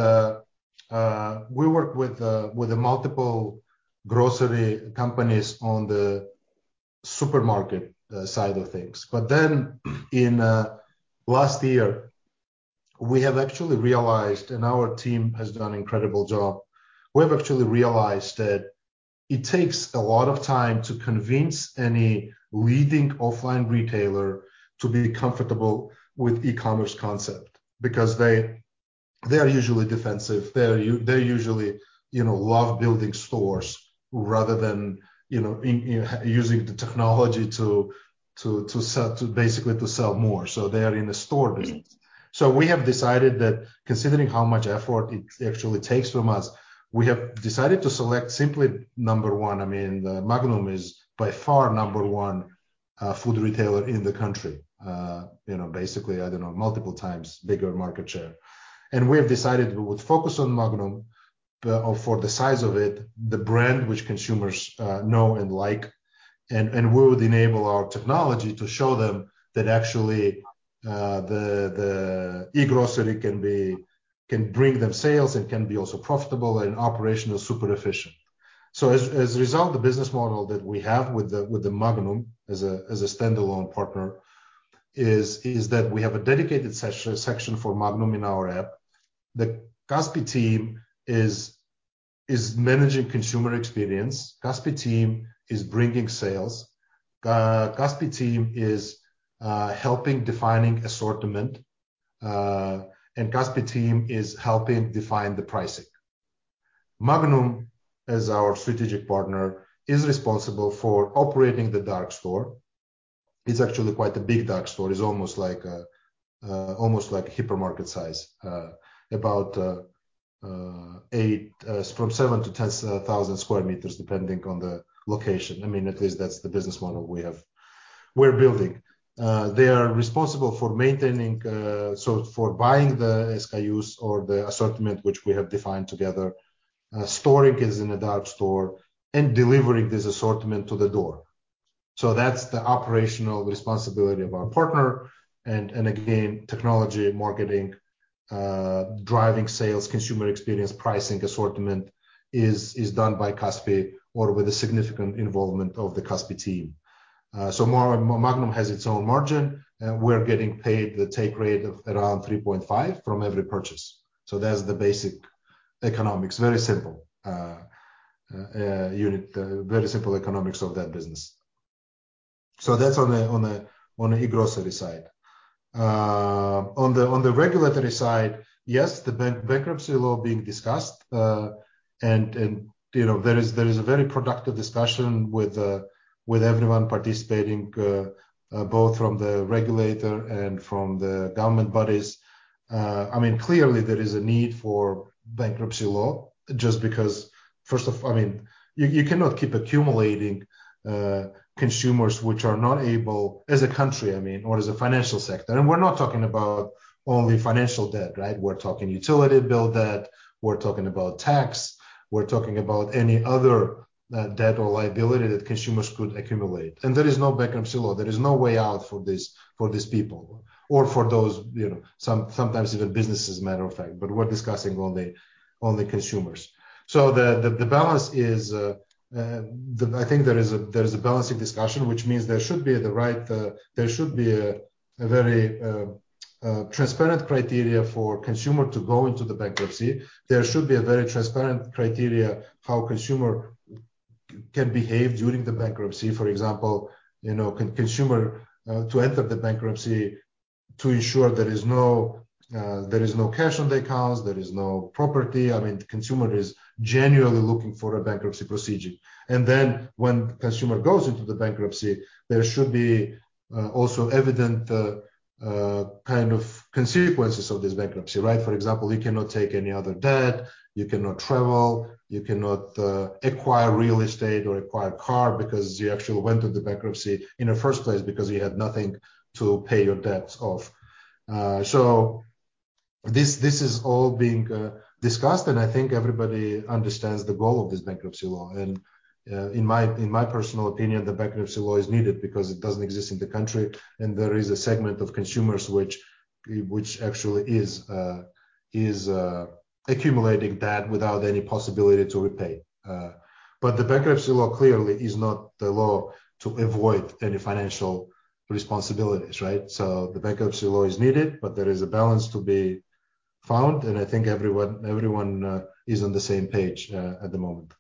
[SPEAKER 3] multiple grocery companies on the supermarket side of things. In last year we have actually realized, and our team has done incredible job. We have actually realized that it takes a lot of time to convince any leading offline retailer to be comfortable with e-Commerce concept, because they are usually defensive. They're usually, you know, love building stores rather than, you know, using the technology to sell, basically to sell more. They are in the store business. We have decided that considering how much effort it actually takes from us, we have decided to select simply number one. I mean, Magnum is by far number one food retailer in the country. You know, basically, I don't know, multiple times bigger market share. We have decided we would focus on Magnum for the size of it, the brand which consumers know and like, and we would enable our technology to show them that actually, the e-Grocery can bring them sales and can be also profitable and operational, super efficient. As a result, the business model that we have with the Magnum as a standalone partner is that we have a dedicated section for Magnum in our app. The Kaspi team is managing consumer experience. Kaspi team is bringing sales. Kaspi team is helping defining assortment, and Kaspi team is helping define the pricing. Magnum, as our strategic partner, is responsible for operating the dark store. It's actually quite a big dark store. It's almost like a hypermarket size, about from 7,000 sq m-10,000 sq m, depending on the location. I mean, at least that's the business model we're building. They are responsible for maintaining. So for buying the SKUs or the assortment which we have defined together, storing is in a dark store and delivering this assortment to the door. That's the operational responsibility of our partner. Again, technology, marketing, driving sales, consumer experience, pricing, assortment is done by Kaspi or with a significant involvement of the Kaspi team. So Magnum has its own margin. We're getting paid the take rate of around 3.5% from every purchase. That's the basic economics. Very simple unit. Very simple economics of that business. That's on the e-Grocery side. On the regulatory side, yes, the bankruptcy law being discussed. There is a very productive discussion with everyone participating, both from the regulator and from the Government bodies. I mean, clearly there is a need for bankruptcy law just because, first of all, I mean, you cannot keep accumulating consumers which are not able, as a country, I mean, or as a financial sector. We're not talking about only financial debt, right? We're talking utility bill debt. We're talking about tax. We're talking about any other debt or liability that consumers could accumulate. There is no bankruptcy law. There is no way out for these people or for those, you know, sometimes even businesses, matter of fact, but we're discussing only consumers. The balance is, I think there is a balancing discussion, which means there should be a very transparent criteria for consumer to go into the bankruptcy. There should be a very transparent criteria how consumer can behave during the bankruptcy. For example, you know, can consumer to enter the bankruptcy to ensure there is no cash on the accounts, there is no property. I mean, the consumer is genuinely looking for a bankruptcy procedure. Then when consumer goes into the bankruptcy, there should be also evident kind of consequences of this bankruptcy, right? For example, you cannot take any other debt. You cannot travel. You cannot acquire real estate or acquire car because you actually went to the bankruptcy in the first place because you had nothing to pay your debts off. This is all being discussed, and I think everybody understands the goal of this bankruptcy law. In my personal opinion, the bankruptcy law is needed because it doesn't exist in the country. There is a segment of consumers which actually is accumulating debt without any possibility to repay. The bankruptcy law clearly is not the law to avoid any financial responsibilities, right? The bankruptcy law is needed, but there is a balance to be found. I think everyone is on the same page at the moment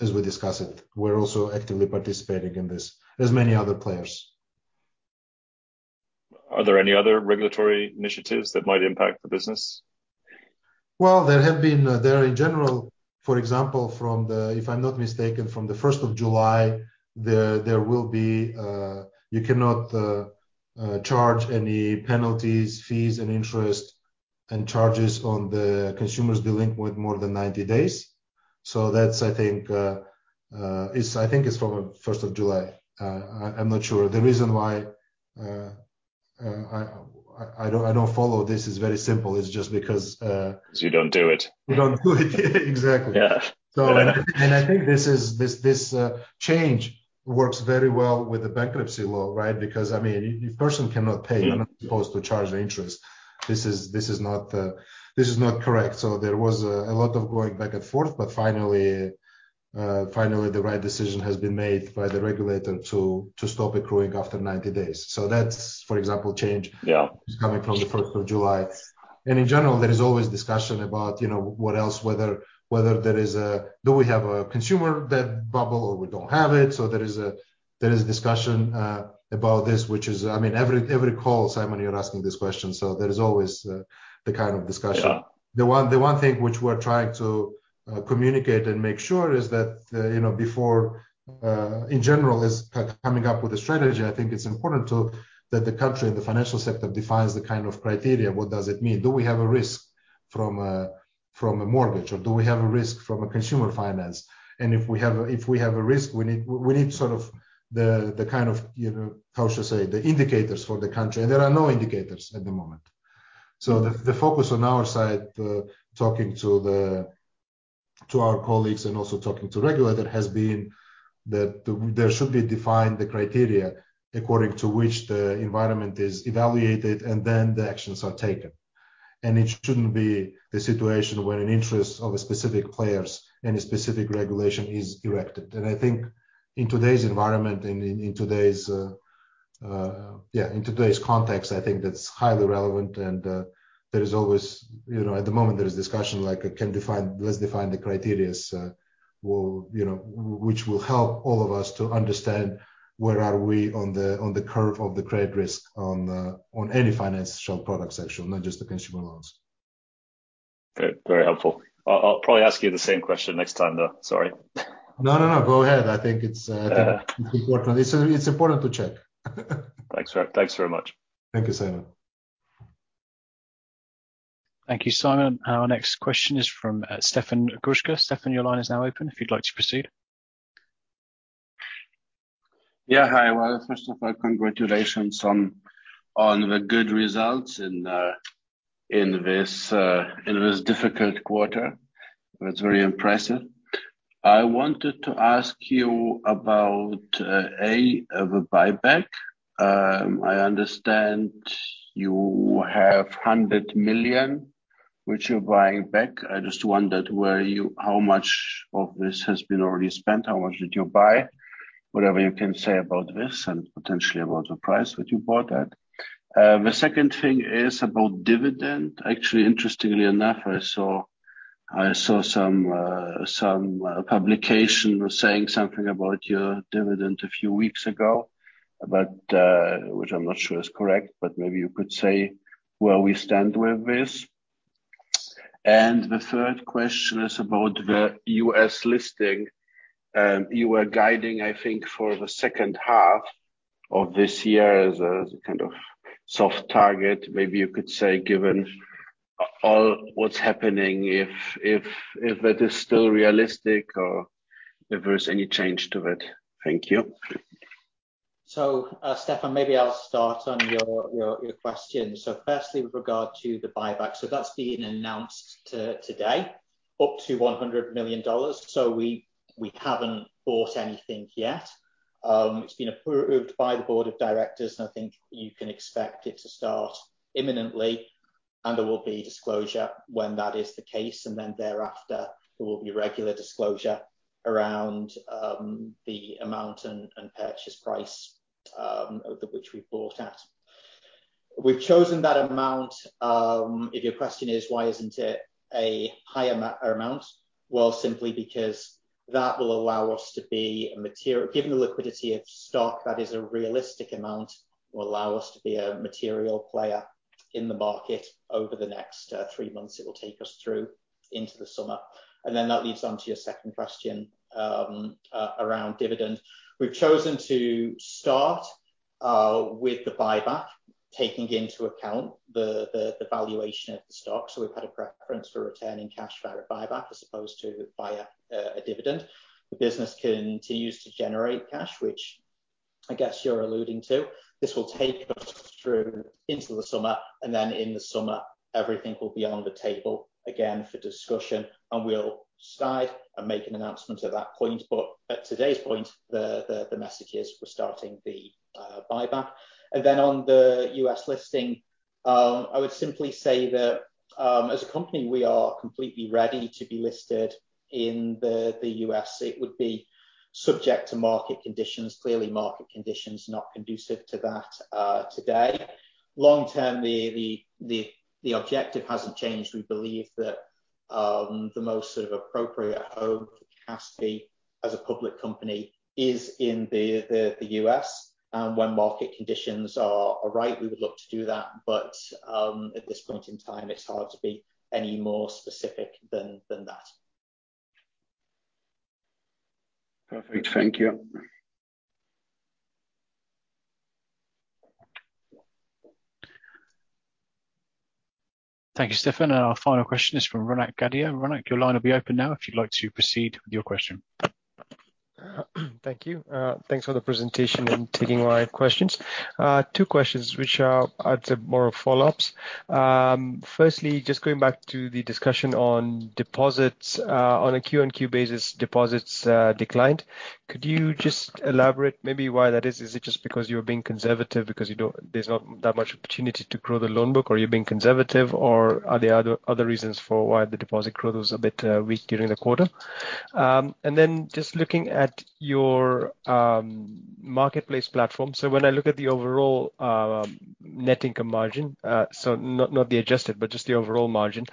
[SPEAKER 3] as we discuss it. We're also actively participating in this, as many other players.
[SPEAKER 7] Are there any other regulatory initiatives that might impact the business?
[SPEAKER 3] Well, in general, for example, if I'm not mistaken, from the 1st July, you cannot charge any penalties, fees, and interest and charges on the consumers delinquent more than 90 days. So that's, I think. I think it's from 1st July. I'm not sure. The reason why I don't follow this is very simple. It's just because.
[SPEAKER 7] Because you don't do it.
[SPEAKER 3] We don't do it. Exactly.
[SPEAKER 7] Yeah.
[SPEAKER 3] I think this change works very well with the bankruptcy law, right? Because, I mean, if a person cannot pay-
[SPEAKER 7] Mm-hmm.
[SPEAKER 3] You're not supposed to charge the interest. This is not correct. There was a lot of going back and forth, but finally, the right decision has been made by the regulator to stop accruing after 90 days. That's, for example, change-
[SPEAKER 7] Yeah.
[SPEAKER 3] is coming from the 1st July. In general, there is always discussion about, you know, what else, whether there is a consumer debt bubble or we don't have it. There is discussion about this, which is, I mean, every call, Simon, you're asking this question, so there is always the kind of discussion.
[SPEAKER 7] Yeah.
[SPEAKER 3] The one thing which we're trying to communicate and make sure is that, you know, before in general coming up with a strategy, I think it's important that the country and the financial sector defines the kind of criteria, what does it mean? Do we have a risk from a mortgage, or do we have a risk from a consumer finance? And if we have a risk, we need sort of the kind of, you know, how should I say, the indicators for the country, and there are no indicators at the moment. The focus on our side, talking to our colleagues and also talking to regulator, has been that there should be defined the criteria according to which the environment is evaluated and then the actions are taken. It shouldn't be the situation where an interest of a specific players and a specific regulation is erected. I think in today's environment and in today's context, I think that's highly relevant and there is always, you know, at the moment there is discussion like let's define the criteria, which will help all of us to understand where we are on the curve of the credit risk on any financial product section, not just the consumer loans.
[SPEAKER 7] Okay. Very helpful. I'll probably ask you the same question next time, though. Sorry.
[SPEAKER 3] No, no. Go ahead. I think it's
[SPEAKER 7] Yeah.
[SPEAKER 3] It's important. It's important to check.
[SPEAKER 7] Thanks very much.
[SPEAKER 3] Thank you, Simon.
[SPEAKER 1] Thank you, Simon. Our next question is from Stefan Groşca. Stefan, your line is now open if you'd like to proceed.
[SPEAKER 8] Yeah. Hi. Well, first of all, congratulations on the good results in this difficult quarter. It's very impressive. I wanted to ask you about a buyback. I understand you have KZT 100 million which you're buying back. I just wondered where you how much of this has been already spent, how much did you buy? Whatever you can say about this and potentially about the price that you bought at. The second thing is about dividend. Actually, interestingly enough, I saw some publication saying something about your dividend a few weeks ago, but which I'm not sure is correct, but maybe you could say where we stand with this. The third question is about the U.S. listing. You were guiding, I think, for the second half of this year as a kind of soft target. Maybe you could say, given all what's happening, if that is still realistic or if there is any change to it. Thank you.
[SPEAKER 2] Stefan, maybe I'll start on your question. Firstly, with regard to the buyback, that's been announced today, up to $100 million. We haven't bought anything yet. It's been approved by the board of directors, and I think you can expect it to start imminently, and there will be disclosure when that is the case. Thereafter, there will be regular disclosure around the amount and purchase price of which we've bought at. We've chosen that amount, if your question is why isn't it a higher amount. Well, simply because that will allow us to be a material player. Given the liquidity of stock, that is a realistic amount that will allow us to be a material player in the market over the next three months. It will take us through into the summer. That leads on to your second question, around dividend. We've chosen to start with the buyback, taking into account the valuation of the stock, so we've had a preference for returning cash via buyback as opposed to via a dividend. The business continues to generate cash, which I guess you're alluding to. This will take us through into the summer, and then in the summer, everything will be on the table again for discussion, and we'll start and make an announcement at that point. At today's point, the message is we're starting the buyback. On the U.S. listing, I would simply say that, as a company, we are completely ready to be listed in the U.S. It would be subject to market conditions. Clearly, market conditions not conducive to that today. Long term, the objective hasn't changed. We believe that the most sort of appropriate home for Kaspi as a public company is in the U.S. When market conditions are right, we would look to do that. At this point in time, it's hard to be any more specific than that.
[SPEAKER 8] Perfect. Thank you.
[SPEAKER 1] Thank you, Stefan. Our final question is from Ronak Gadhia. Ronak, your line will be open now if you'd like to proceed with your question.
[SPEAKER 9] Thank you. Thanks for the presentation.
[SPEAKER 2] Mm-hmm.
[SPEAKER 9] Taking my questions. Two questions which are more follow-ups. First, just going back to the discussion on deposits. On a Q-on-Q basis, deposits declined. Could you just elaborate maybe why that is? Is it just because you're being conservative because there's not that much opportunity to grow the loan book? Are you being conservative, or are there other reasons for why the deposit growth was a bit weak during the quarter? Then just looking at your marketplace platform. When I look at the overall net income margin, so not the adjusted, but just the overall margin,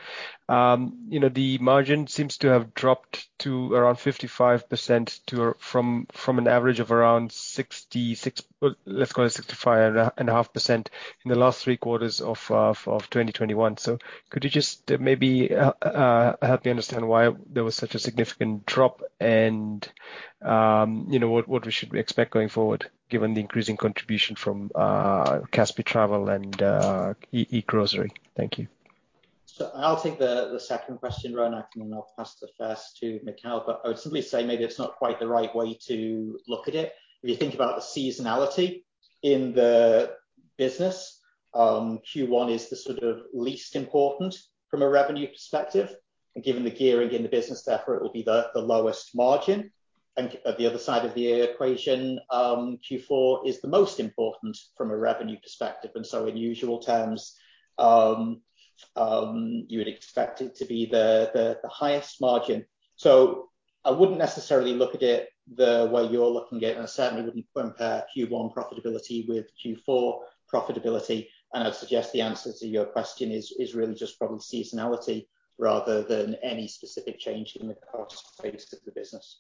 [SPEAKER 9] you know, the margin seems to have dropped to around 55% from an average of around 60%- 65% in the last three quarters of 2021. Could you just maybe help me understand why there was such a significant drop and, you know, what we should expect going forward given the increasing contribution from Kaspi Travel and e-Grocery? Thank you.
[SPEAKER 2] I'll take the second question, Ronak, and then I'll pass the first to Mikhail. I would simply say maybe it's not quite the right way to look at it. If you think about the seasonality in the business, Q1 is the sort of least important from a revenue perspective. Given the gearing in the business therefore, it will be the lowest margin. At the other side of the equation, Q4 is the most important from a revenue perspective. In usual terms, you would expect it to be the highest margin. I wouldn't necessarily look at it the way you're looking at it, and I certainly wouldn't compare Q1 profitability with Q4 profitability. I'd suggest the answer to your question is really just probably seasonality rather than any specific change in the cost base of the business.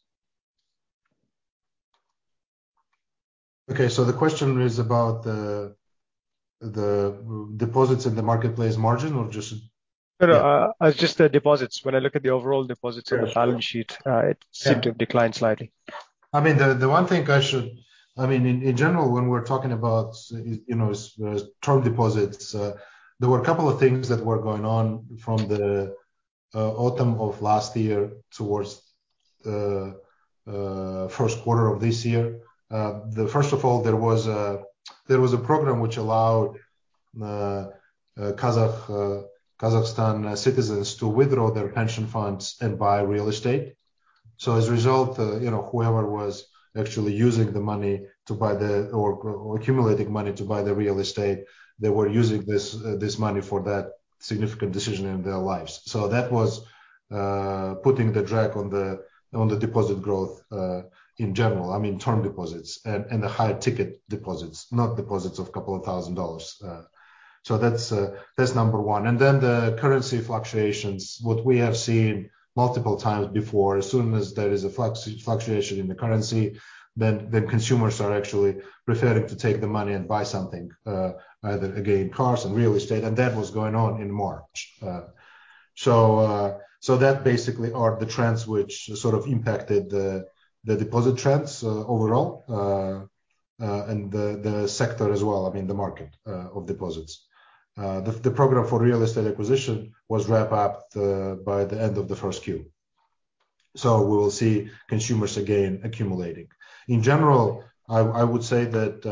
[SPEAKER 3] Okay, the question is about the deposits in the marketplace margin or just-
[SPEAKER 9] No, no. Just the deposits. When I look at the overall deposits in the balance sheet, it seemed to decline slightly.
[SPEAKER 3] I mean, in general when we're talking about, you know, term deposits, there were a couple of things that were going on from the autumn of last year towards the first quarter of this year. The first of all, there was a program which allowed Kazakhstan citizens to withdraw their pension funds and buy real estate. As a result, you know, whoever was actually using the money to buy or accumulating money to buy the real estate, they were using this money for that significant decision in their lives. That was putting a drag on the deposit growth in general. I mean, term deposits and the high-ticket deposits, not deposits of a couple thousand dollars. That's number one. The currency fluctuations, what we have seen multiple times before. As soon as there is a fluctuation in the currency, then consumers are actually preferring to take the money and buy something, either again, cars and real estate. That was going on in March. That basically are the trends which sort of impacted the deposit trends overall. The sector as well, I mean, the market of deposits. The program for real estate acquisition was wrapped up by the end of the first Q. We'll see consumers again accumulating. In general, I would say that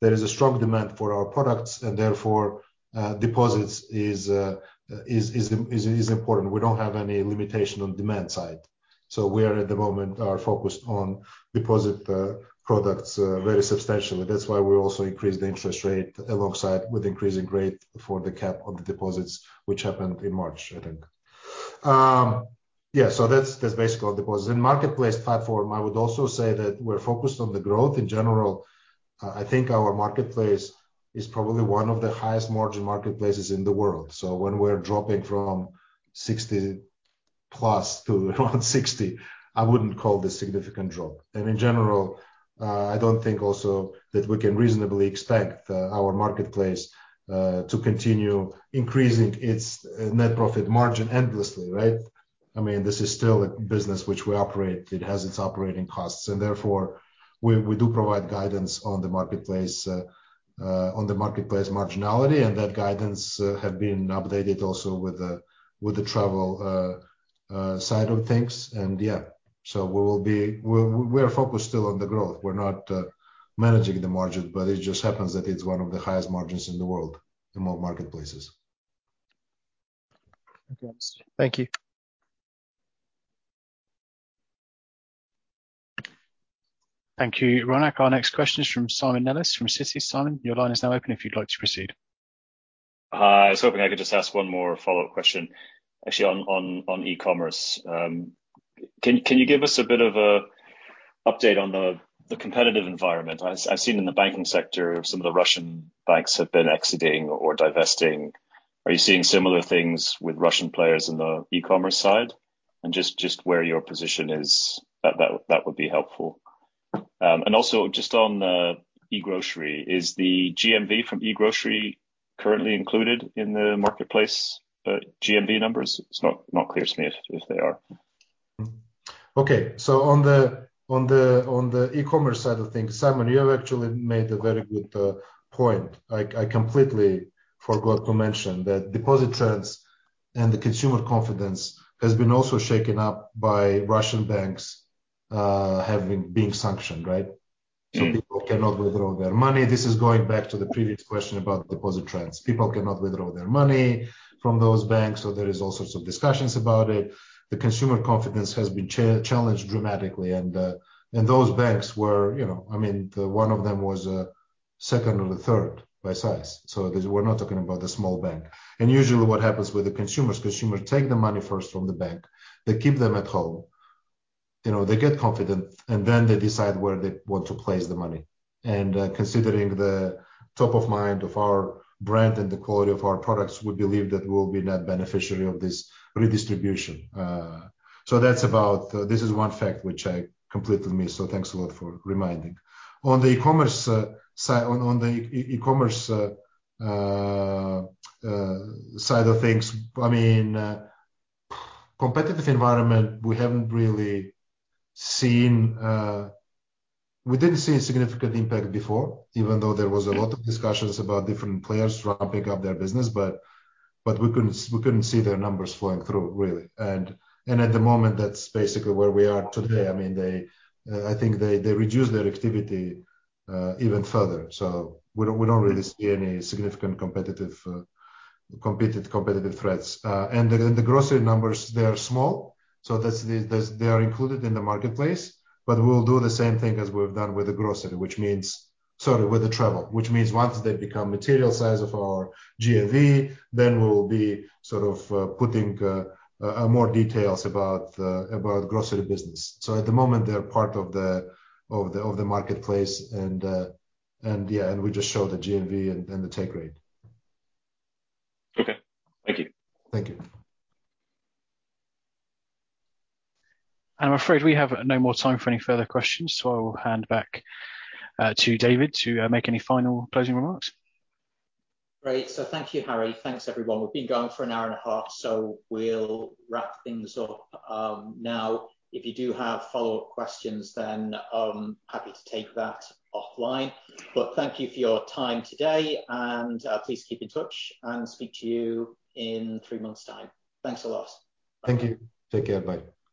[SPEAKER 3] there is a strong demand for our products and therefore, deposits is important. We don't have any limitation on demand side. We are at the moment focused on deposit products very substantially. That's why we also increased the interest rate alongside with increasing rate for the cap on the deposits which happened in March, I think. That's basically on deposits. In marketplace platform, I would also say that we're focused on the growth in general. I think our marketplace is probably one of the highest margin marketplaces in the world. When we're dropping from 60%+ to around 60%, I wouldn't call this significant drop. In general, I don't think also that we can reasonably expect our marketplace to continue increasing its net profit margin endlessly, right? I mean, this is still a business which we operate. It has its operating costs, and therefore we do provide guidance on the marketplace marginality, and that guidance have been updated also with the travel side of things. Yeah. We're focused still on the growth. We're not managing the margin, but it just happens that it's one of the highest margins in the world among marketplaces.
[SPEAKER 9] Okay. Thank you.
[SPEAKER 1] Thank you, Ronak. Our next question is from Simon Nellis from Citi. Simon, your line is now open if you'd like to proceed.
[SPEAKER 7] Hi. I was hoping I could just ask one more follow-up question actually on e-Commerce. Can you give us a bit of an update on the competitive environment? I've seen in the banking sector some of the Russian banks have been exiting or divesting. Are you seeing similar things with Russian players in the e-Commerce side? Just where your position is, that would be helpful. Just on the e-Grocery, is the GMV from e-Grocery currently included in the marketplace GMV numbers? It's not clear to me if they are.
[SPEAKER 3] Okay. On the e-Commerce side of things, Simon, you have actually made a very good point. I completely forgot to mention that deposit trends and the consumer confidence has been also shaken up by Russian banks being sanctioned, right?
[SPEAKER 7] Mm-hmm.
[SPEAKER 3] People cannot withdraw their money. This is going back to the previous question about deposit trends. People cannot withdraw their money from those banks, so there is all sorts of discussions about it. The consumer confidence has been challenged dramatically, and those banks were, the one of them was a second or the third by size. This, we're not talking about the small bank. Usually what happens with the consumers, they take the money first from the bank. They keep them at home. They get confident, and then they decide where they want to place the money. Considering the top of mind of our brand and the quality of our products, we believe that we'll be net beneficiary of this redistribution. That's about. This is one fact which I completely missed, so thanks a lot for reminding. On the e-Commerce side of things, I mean, competitive environment, we haven't really seen, we didn't see a significant impact before, even though there was a lot of discussions about different players ramping up their business. We couldn't see their numbers flowing through, really. At the moment, that's basically where we are today. I mean, I think they reduced their activity even further. We don't really see any significant competitive threats. The e-Grocery numbers are small, so they are included in the marketplace. We'll do the same thing as we've done with the e-Grocery, which means. Sorry, with the travel. Which means once they become material size of our GMV, then we'll be sort of putting more details about the grocery business. At the moment, they're part of the marketplace and yeah and we just show the GMV and the take rate.
[SPEAKER 7] Okay. Thank you.
[SPEAKER 3] Thank you.
[SPEAKER 1] I'm afraid we have no more time for any further questions, so I will hand back to David to make any final closing remarks.
[SPEAKER 2] Great. Thank you, Harry. Thanks, everyone. We've been going for an hour and a half, so we'll wrap things up, now. If you do have follow-up questions, then I'm happy to take that offline. Thank you for your time today and, please keep in touch and speak to you in three months' time. Thanks a lot.
[SPEAKER 3] Thank you. Take care. Bye.